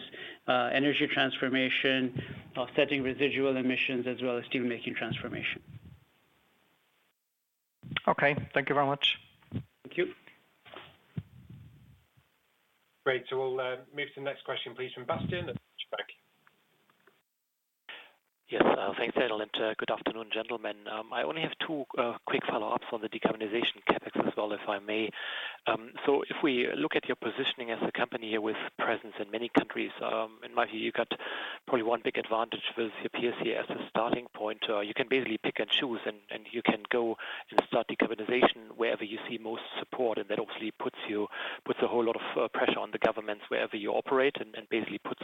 energy transformation, offsetting residual emissions, as well as steelmaking transformation. Okay. Thank you very much. Thank you. Great. We'll move to the next question, please, from Bastian at. Thanks, Daniel, and good afternoon, gentlemen. I only have two quick follow-ups on the decarbonization CapEx as well, if I may. If we look at your positioning as a company with presence in many countries, in my view, you got probably one big advantage with your peers here as a starting point. You can basically pick and choose, and you can go and start decarbonization wherever you see most support, and that obviously puts a whole lot of pressure on the governments wherever you operate, and basically puts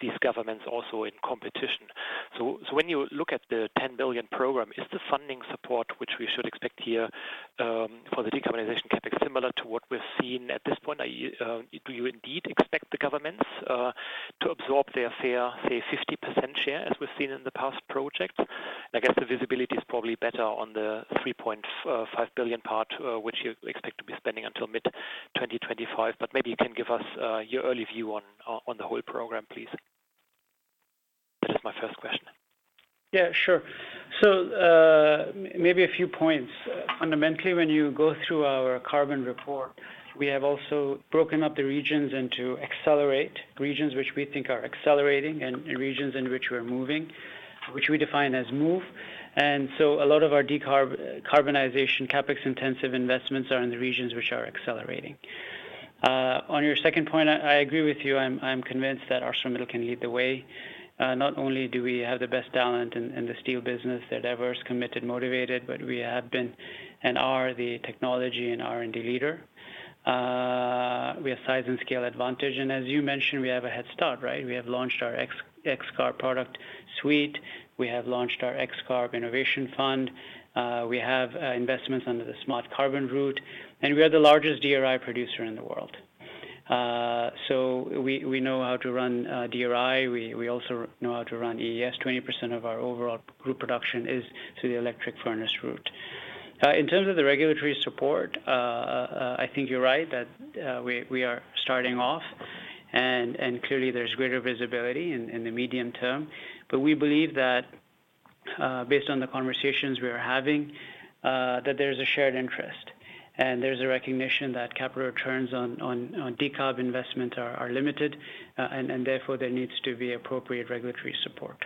these governments also in competition. When you look at the $10 billion program, is the funding support, which we should expect here for the decarbonization CapEx, similar to what we're seeing at this point? Do you indeed expect the governments to absorb their fair, say, 50% share as we've seen in the past projects? I guess the visibility is probably better on the $3.5 billion part, which you expect to be spending until mid-2025. Maybe you can give us your early view on the whole program, please. This is my first question. Yeah, sure. Maybe a few points. Fundamentally, when you go through our carbon report, we have also broken up the regions into accelerate, regions which we think are accelerating, and regions in which we are moving, which we define as move. A lot of our decarbonization CapEx-intensive investments are in the regions which are accelerating. On your second point, I agree with you. I'm convinced that ArcelorMittal can lead the way. Not only do we have the best talent in the steel business that ever is committed, motivated, but we have been and are the technology and R&D leader. We have size and scale advantage. As you mentioned, we have a head start, right? We have launched our XCarb product suite. We have launched our XCarb Innovation Fund. We have investments under the smart carbon route, and we are the largest DRI producer in the world. We know how to run DRI. We also know how to run EAFs. 20% of our overall group production is through the electric furnace route. In terms of the regulatory support, I think you're right that we are starting off, and clearly there's greater visibility in the medium term. We believe that based on the conversations we are having, that there's a shared interest, and there's a recognition that capital returns on decarb investments are limited, and therefore, there needs to be appropriate regulatory support.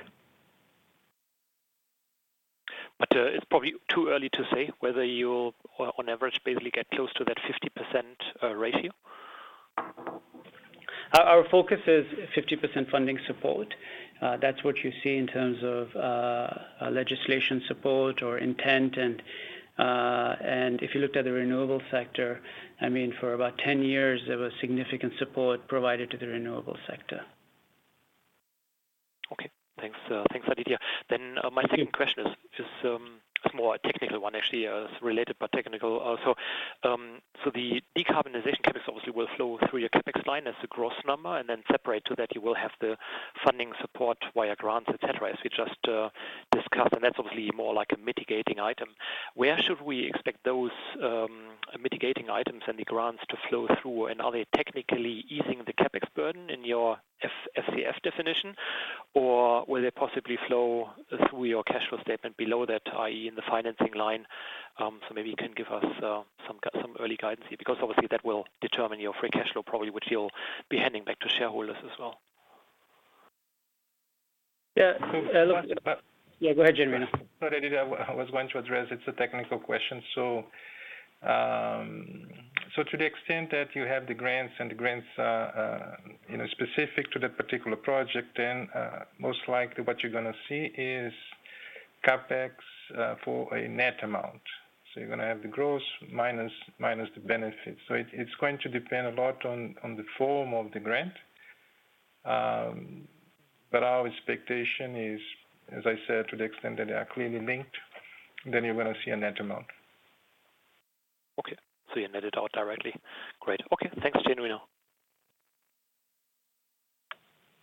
It's probably too early to say whether you'll, on average, basically get close to that 50% ratio. Our focus is 50% funding support. That's what you see in terms of legislation support or intent. If you looked at the renewable sector, for about 10 years, there was significant support provided to the renewable sector. Okay. Thanks, Aditya. My second question is more a technical one, actually. It's related, but technical. The decarbonization CapEx obviously will flow through your CapEx line as a gross number, and then separate to that, you will have the funding support via grants, et cetera, as we just discussed, and that's obviously more like a mitigating item. Where should we expect those mitigating items and the grants to flow through? Are they technically easing the CapEx burden in your FCF definition? Will they possibly flow through your cash flow statement below that, i.e., in the financing line? Maybe you can give us some early guidance here, because obviously that will determine your free cash flow, probably, which you'll be handing back to shareholders as well. Yeah. But- Yeah, go ahead, Genuino. No, Aditya. I was going to address, it's a technical question. To the extent that you have the grants and the grants specific to that particular project, most likely what you're going to see is CapEx for a net amount. You're going to have the gross minus the benefit. It's going to depend a lot on the form of the grant. Our expectation is, as I said, to the extent that they are clearly linked, then you're going to see a net amount. Okay. You net it out directly. Great. Okay, thanks, Genuino.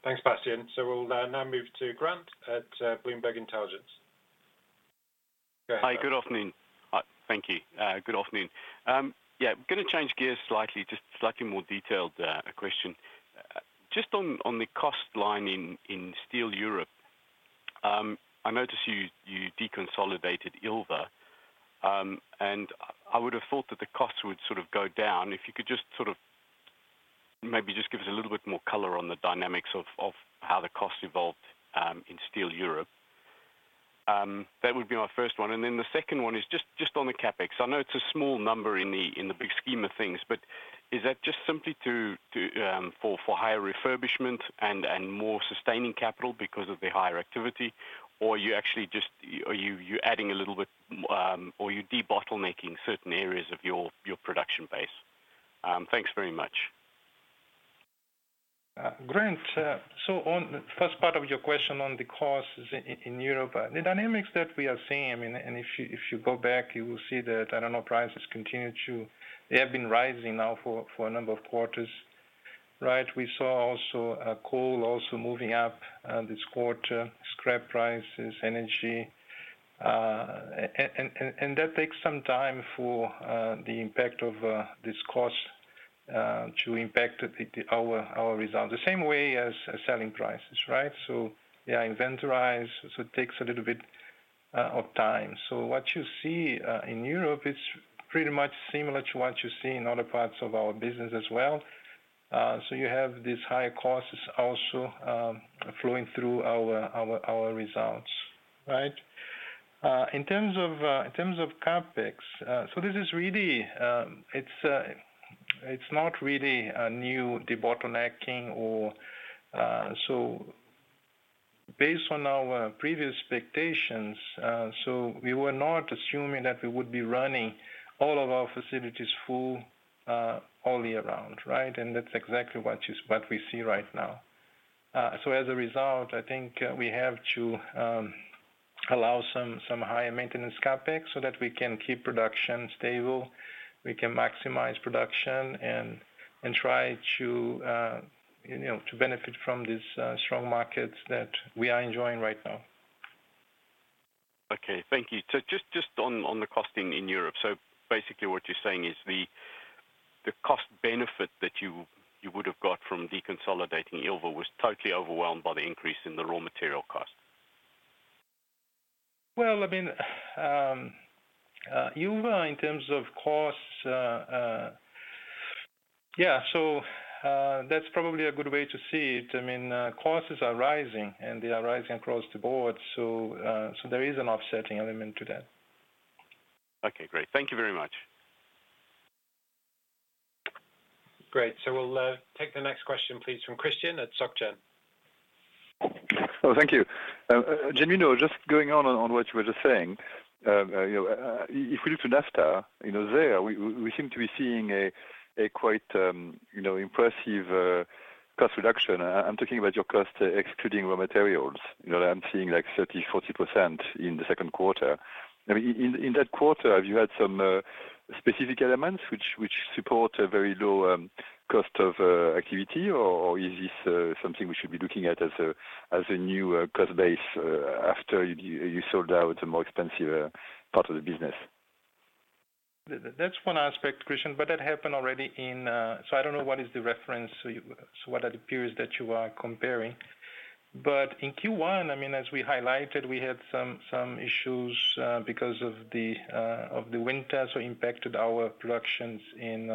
Thanks, Bastian. We'll now move to Grant at Bloomberg Intelligence. Go ahead, Grant. Hi. Good afternoon. Thank you. Good afternoon. Yeah. I'm going to change gears slightly, just a slightly more detailed question. Just on the cost line in ArcelorMittal Europe, I notice you deconsolidated Ilva. I would have thought that the costs would sort of go down. If you could just maybe give us a little bit more color on the dynamics of how the cost evolved in ArcelorMittal Europe. That would be my first one. The second one is just on the CapEx. I know it's a small number in the big scheme of things. Is that just simply for higher refurbishment and more sustaining capital because of the higher activity? Are you adding a little bit, or you're debottlenecking certain areas of your production base? Thanks very much. Grant, on the first part of your question on the costs in Europe. The dynamics that we are seeing, if you go back, you will see that iron ore prices have been rising now for a number of quarters. Right? We saw coal also moving up this quarter, scrap prices, energy. That takes some time for the impact of these costs to impact our results, the same way as selling prices, right? Yeah, inventories, it takes a little bit of time. What you see in Europe is pretty much similar to what you see in other parts of our business as well. You have these higher costs also flowing through our results. Right? In terms of CapEx, this is really, it's not a new debottlenecking. Based on our previous expectations, we were not assuming that we would be running all of our facilities full all year round, right? That's exactly what we see right now. As a result, I think we have to allow some higher maintenance CapEx so that we can keep production stable, we can maximize production, and try to benefit from these strong markets that we are enjoying right now. Okay. Thank you. Just on the costing in Europe. Basically what you're saying is the cost benefit that you would have got from deconsolidating Ilva was totally overwhelmed by the increase in the raw material cost. Well, Ilva in terms of costs. Yeah. That's probably a good way to see it. Costs are rising, and they are rising across the board. There is an offsetting element to that. Okay. Great. Thank you very much. Great. We'll take the next question, please, from Christian at SocGen. Thank you. Genuino, just going on what you were just saying. If we look to NAFTA, there, we seem to be seeing a quite impressive cost reduction. I'm talking about your cost excluding raw materials. I'm seeing like 30%-40% in the second quarter. In that quarter, have you had some specific elements which support a very low cost of activity? Is this something we should be looking at as a new cost base after you sold out a more expensive part of the business? That's one aspect, Christian, that happened already in I don't know what is the reference, what are the periods that you are comparing. In Q1, as we highlighted, we had some issues because of the winter, impacted our productions in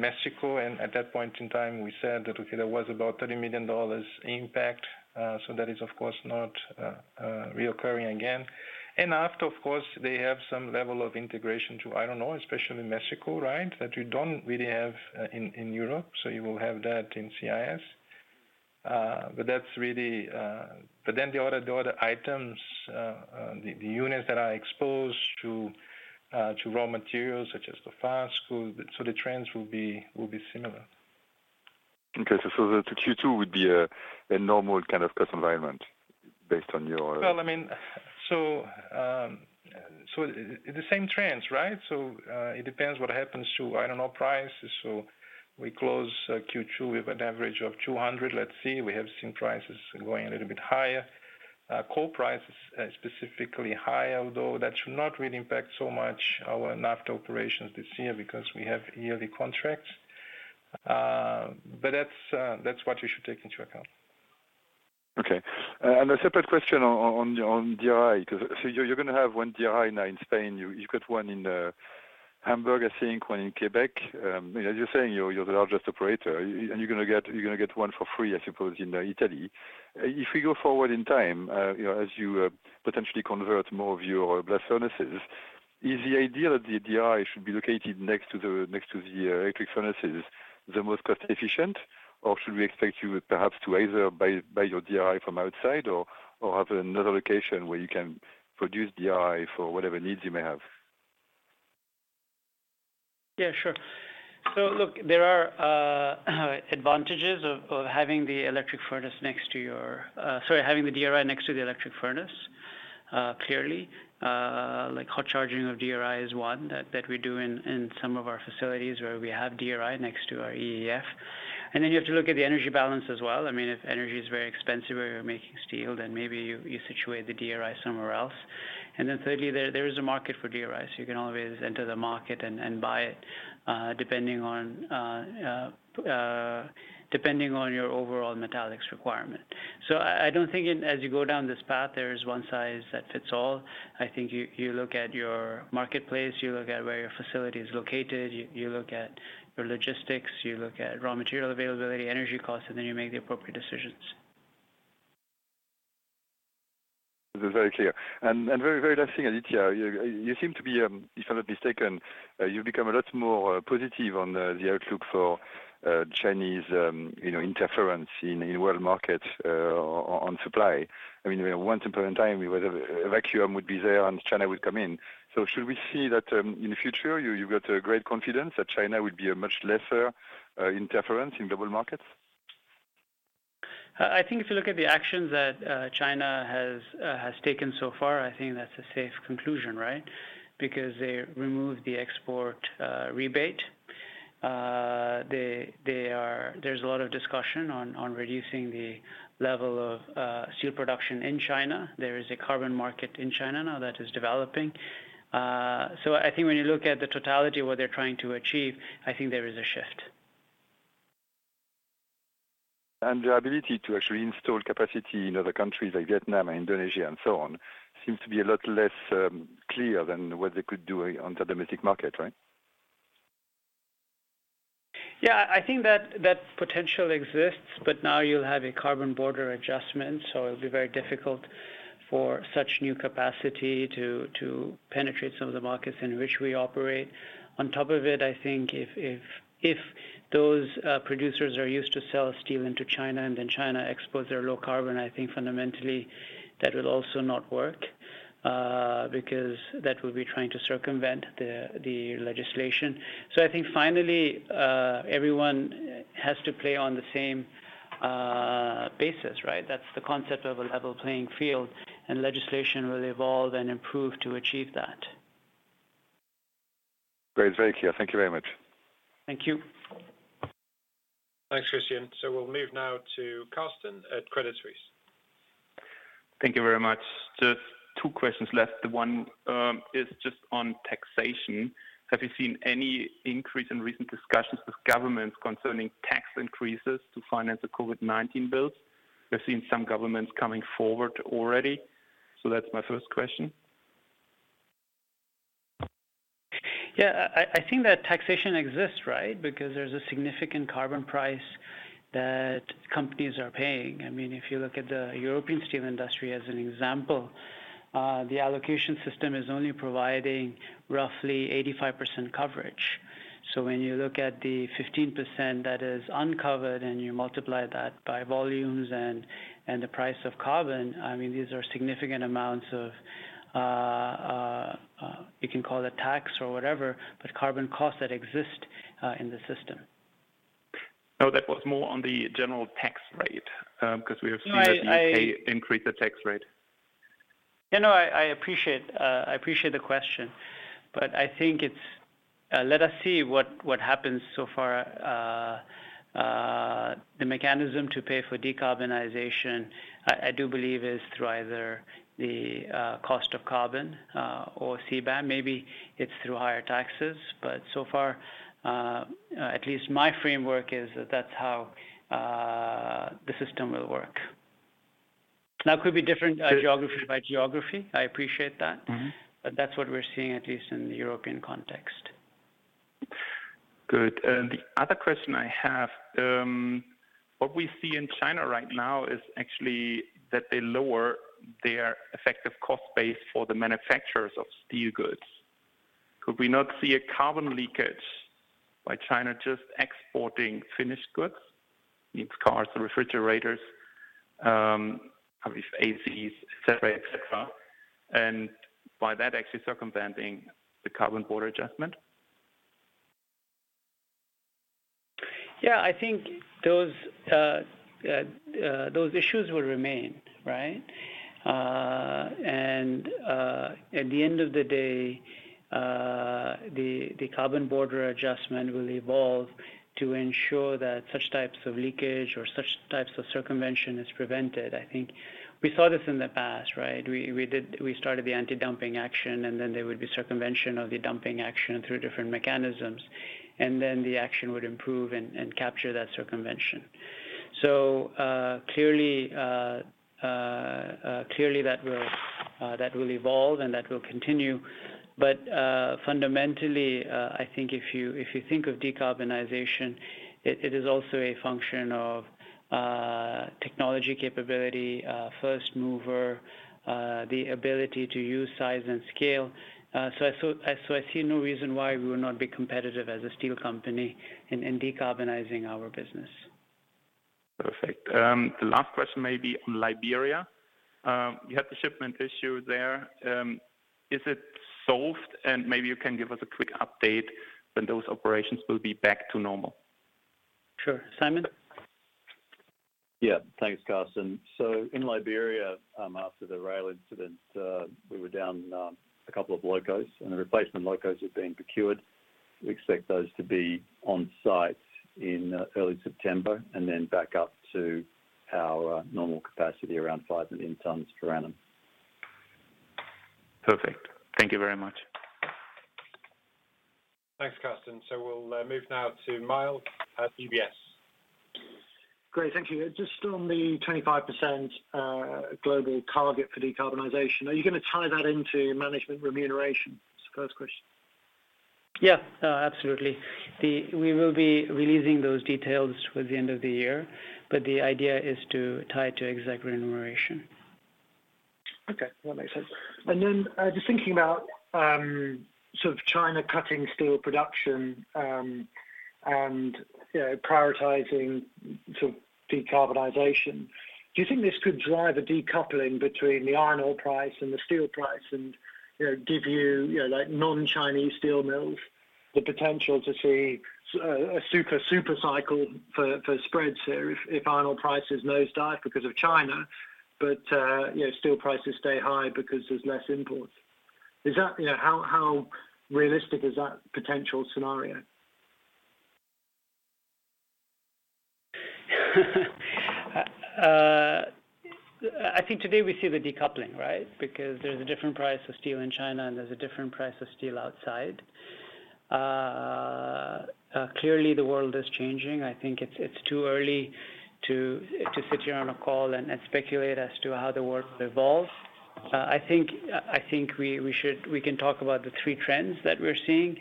Mexico. At that point in time, we said that, okay, that was about $30 million impact. That is, of course, not reoccurring again. NAFTA, of course, they have some level of integration to iron ore, especially Mexico, right? That you don't really have in Europe. You will have that in CIS. The other items, the units that are exposed to raw materials such as the furnace. The trends will be similar. Okay. The Q2 would be a normal kind of cost environment based on your. Well, the same trends, right? It depends what happens to, I don't know, prices. We close Q2 with an average of $200. Let's see, we have seen prices going a little bit higher. Coal prices specifically high, although that should not really impact so much our NAFTA operations this year because we have yearly contracts. That's what you should take into account. Okay. A separate question on DRI. You're going to have one DRI now in Spain. You've got one in Hamburg, I think, one in Quebec. As you're saying, you're the largest operator and you're going to get one for free, I suppose, in Italy. If we go forward in time, as you potentially convert more of your blast furnaces, is the idea that the DRI should be located next to the electric furnaces the most cost efficient, or should we expect you perhaps to either buy your DRI from outside or have another location where you can produce DRI for whatever needs you may have? Yeah, sure. Look, there are advantages of having the DRI next to the electric furnace, clearly. Hot charging of DRI is one that we do in some of our facilities where we have DRI next to our EAF. You have to look at the energy balance as well. If energy is very expensive where you're making steel, then maybe you situate the DRI somewhere else. Thirdly, there is a market for DRI, so you can always enter the market and buy it, depending on your overall metallics requirement. I don't think as you go down this path, there is one size that fits all. I think you look at your marketplace, you look at where your facility is located, you look at your logistics, you look at raw material availability, energy costs, and then you make the appropriate decisions. That's very clear. Very last thing, Aditya, you seem to be, if I'm not mistaken, you've become a lot more positive on the outlook for Chinese interference in world market on supply. Once upon a time, a vacuum would be there and China would come in. Should we see that in the future, you've got a great confidence that China would be a much lesser interference in global markets? I think if you look at the actions that China has taken so far, I think that's a safe conclusion, right? They removed the export rebate. There's a lot of discussion on reducing the level of steel production in China. There is a carbon market in China now that is developing. I think when you look at the totality of what they're trying to achieve, I think there is a shift. The ability to actually install capacity in other countries like Vietnam and Indonesia and so on, seems to be a lot less clear than what they could do on the domestic market, right? I think that potential exists, but now you'll have a Carbon Border Adjustment, so it'll be very difficult for such new capacity to penetrate some of the markets in which we operate. On top of it, I think if those producers are used to sell steel into China, and then China exports their low carbon, I think fundamentally that will also not work, because that will be trying to circumvent the legislation. I think finally, everyone has to play on the same basis, right? That's the concept of a level playing field. Legislation will evolve and improve to achieve that. Great. It's very clear. Thank you very much. Thank you. Thanks, Christian. We'll move now to Carsten at Credit Suisse. Thank you very much. Just two questions left. One is just on taxation. Have you seen any increase in recent discussions with governments concerning tax increases to finance the COVID-19 bills? We've seen some governments coming forward already. That's my first question. Yeah, I think that taxation exists, right? There's a significant carbon price that companies are paying. If you look at the European steel industry as an example, the allocation system is only providing roughly 85% coverage. When you look at the 15% that is uncovered and you multiply that by volumes and the price of carbon, these are significant amounts of, you can call it tax or whatever, but carbon costs that exist in the system. No, that was more on the general tax rate, because we have seen. No. the U.K. increase the tax rate. Yeah, no, I appreciate the question, but I think it's, let us see what happens so far. The mechanism to pay for decarbonization, I do believe is through either the cost of carbon or CBAM. Maybe it's through higher taxes, but so far, at least my framework is that that's how the system will work. Now, it could be different geography by geography. I appreciate that. That's what we're seeing, at least in the European context. Good. The other question I have, what we see in China right now is actually that they lower their effective cost base for the manufacturers of steel goods. Could we not see a carbon leakage by China just exporting finished goods, means cars, refrigerators, probably ACs, et cetera, and by that actually circumventing the carbon border adjustment? Yeah, I think those issues will remain, right. At the end of the day, the Carbon Border Adjustment will evolve to ensure that such types of leakage or such types of circumvention is prevented. I think we saw this in the past, right. We started the anti-dumping action, and then there would be circumvention of the dumping action through different mechanisms, and then the action would improve and capture that circumvention. Clearly, that will evolve and that will continue. Fundamentally, I think if you think of decarbonization, it is also a function of technology capability, first mover, the ability to use size and scale. I see no reason why we would not be competitive as a steel company in decarbonizing our business. Perfect. The last question may be on Liberia. You had the shipment issue there. Is it solved? Maybe you can give us a quick update when those operations will be back to normal. Sure. Simon? Yeah. Thanks, Carsten. In Liberia, after the rail incident, we were down a couple of locos, and the replacement locos are being procured. We expect those to be on site in early September and then back up to our normal capacity around 5 million tonnes per annum. Perfect. Thank you very much. Thanks, Carsten. We'll move now to Myles at UBS. Great, thank you. Just on the 25% global target for decarbonization, are you going to tie that into management remuneration? It's a closed question. Yeah. Absolutely. We will be releasing those details for the end of the year, but the idea is to tie it to exec remuneration. Okay. That makes sense. Just thinking about China cutting steel production and prioritizing decarbonization, do you think this could drive a decoupling between the iron ore price and the steel price and give you non-Chinese steel mills the potential to see a super cycle for spreads here if iron ore prices nosedive because of China, but steel prices stay high because there's less imports? How realistic is that potential scenario? I think today we see the decoupling, right? Because there's a different price of steel in China and there's a different price of steel outside. Clearly, the world is changing. I think it's too early to sit here on a call and speculate as to how the world will evolve. I think we can talk about the three trends that we're seeing.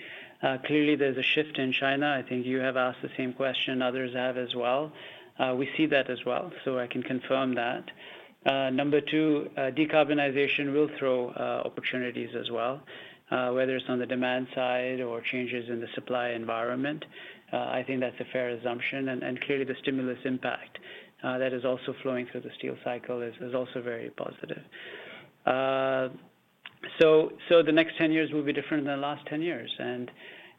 Clearly, there's a shift in China. I think you have asked the same question, others have as well. We see that as well, so I can confirm that. Number two, decarbonization will throw opportunities as well. Whether it's on the demand side or changes in the supply environment, I think that's a fair assumption. Clearly the stimulus impact that is also flowing through the steel cycle is also very positive. The next 10 years will be different than the last 10 years, and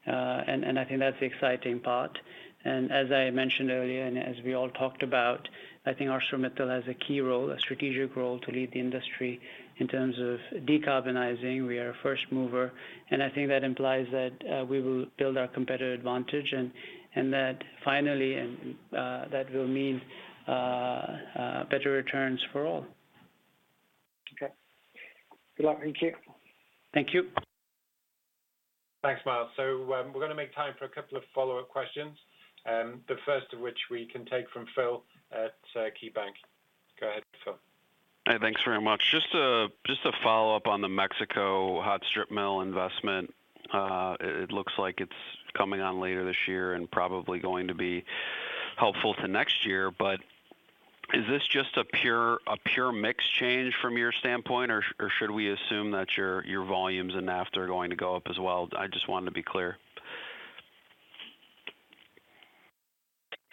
I think that's the exciting part. As I mentioned earlier and as we all talked about, I think ArcelorMittal has a key role, a strategic role to lead the industry in terms of decarbonizing. We are a first mover, and I think that implies that we will build our competitive advantage and that finally, that will mean better returns for all. Okay. Good luck. Thank you. Thank you. Thanks, Myles. We're going to make time for a couple of follow-up questions. The first of which we can take from Phil at KeyBanc. Go ahead, Phil. Hey, thanks very much. Just to follow up on the Mexico hot strip mill investment. It looks like it's coming on later this year and probably going to be helpful to next year. Is this just a pure mix change from your standpoint or should we assume that your volumes in NAFTA are going to go up as well? I just wanted to be clear.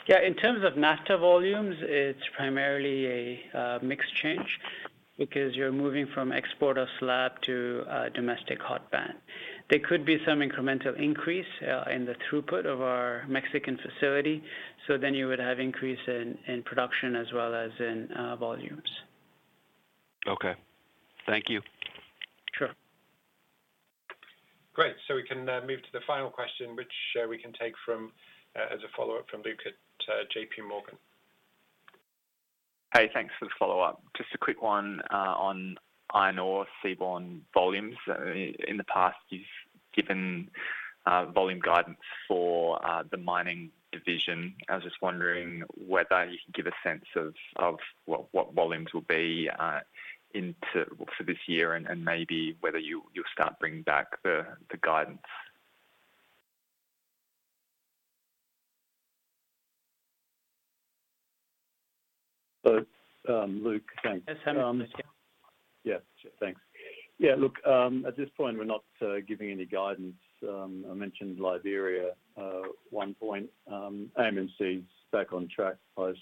Yeah. In terms of NAFTA volumes, it's primarily a mix change because you're moving from exporter slab to domestic hot band. There could be some incremental increase in the throughput of our Mexican facility, so then you would have increase in production as well as in volumes. Okay. Thank you. Sure. We can move to the final question, which we can take as a follow-up from Luke at JPMorgan. Hey, thanks for the follow-up. Just a quick one on iron ore seaborne volumes. In the past, you've given volume guidance for the mining division. I was just wondering whether you can give a sense of what volumes will be for this year and maybe whether you'll start bringing back the guidance. Luke, thanks. Yes, Simon. Sure, thanks. Look, at this point, we're not giving any guidance. I mentioned Liberia at one point. AMC is back on track post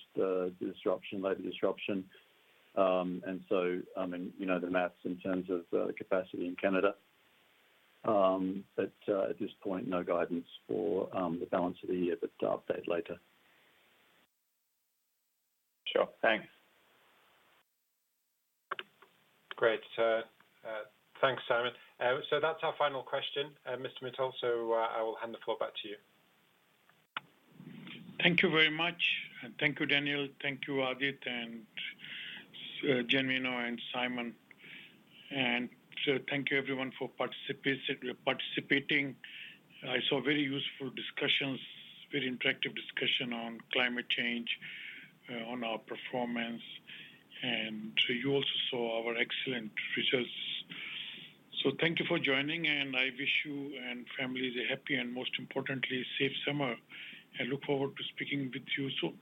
disruption, labor disruption. The math in terms of capacity in Canada. At this point, no guidance for the balance of the year, but I'll update later. Sure. Thanks. Great. Thanks, Simon. That's our final question, Mr. Mittal. I will hand the floor back to you. Thank you very much. Thank you, Daniel, thank you, Aditya, and Genuino, and Simon. Thank you, everyone, for participating. I saw very useful discussions, very interactive discussion on climate change, on our performance. You also saw our excellent results. Thank you for joining, and I wish you and families a happy and most importantly, safe summer. I look forward to speaking with you soon.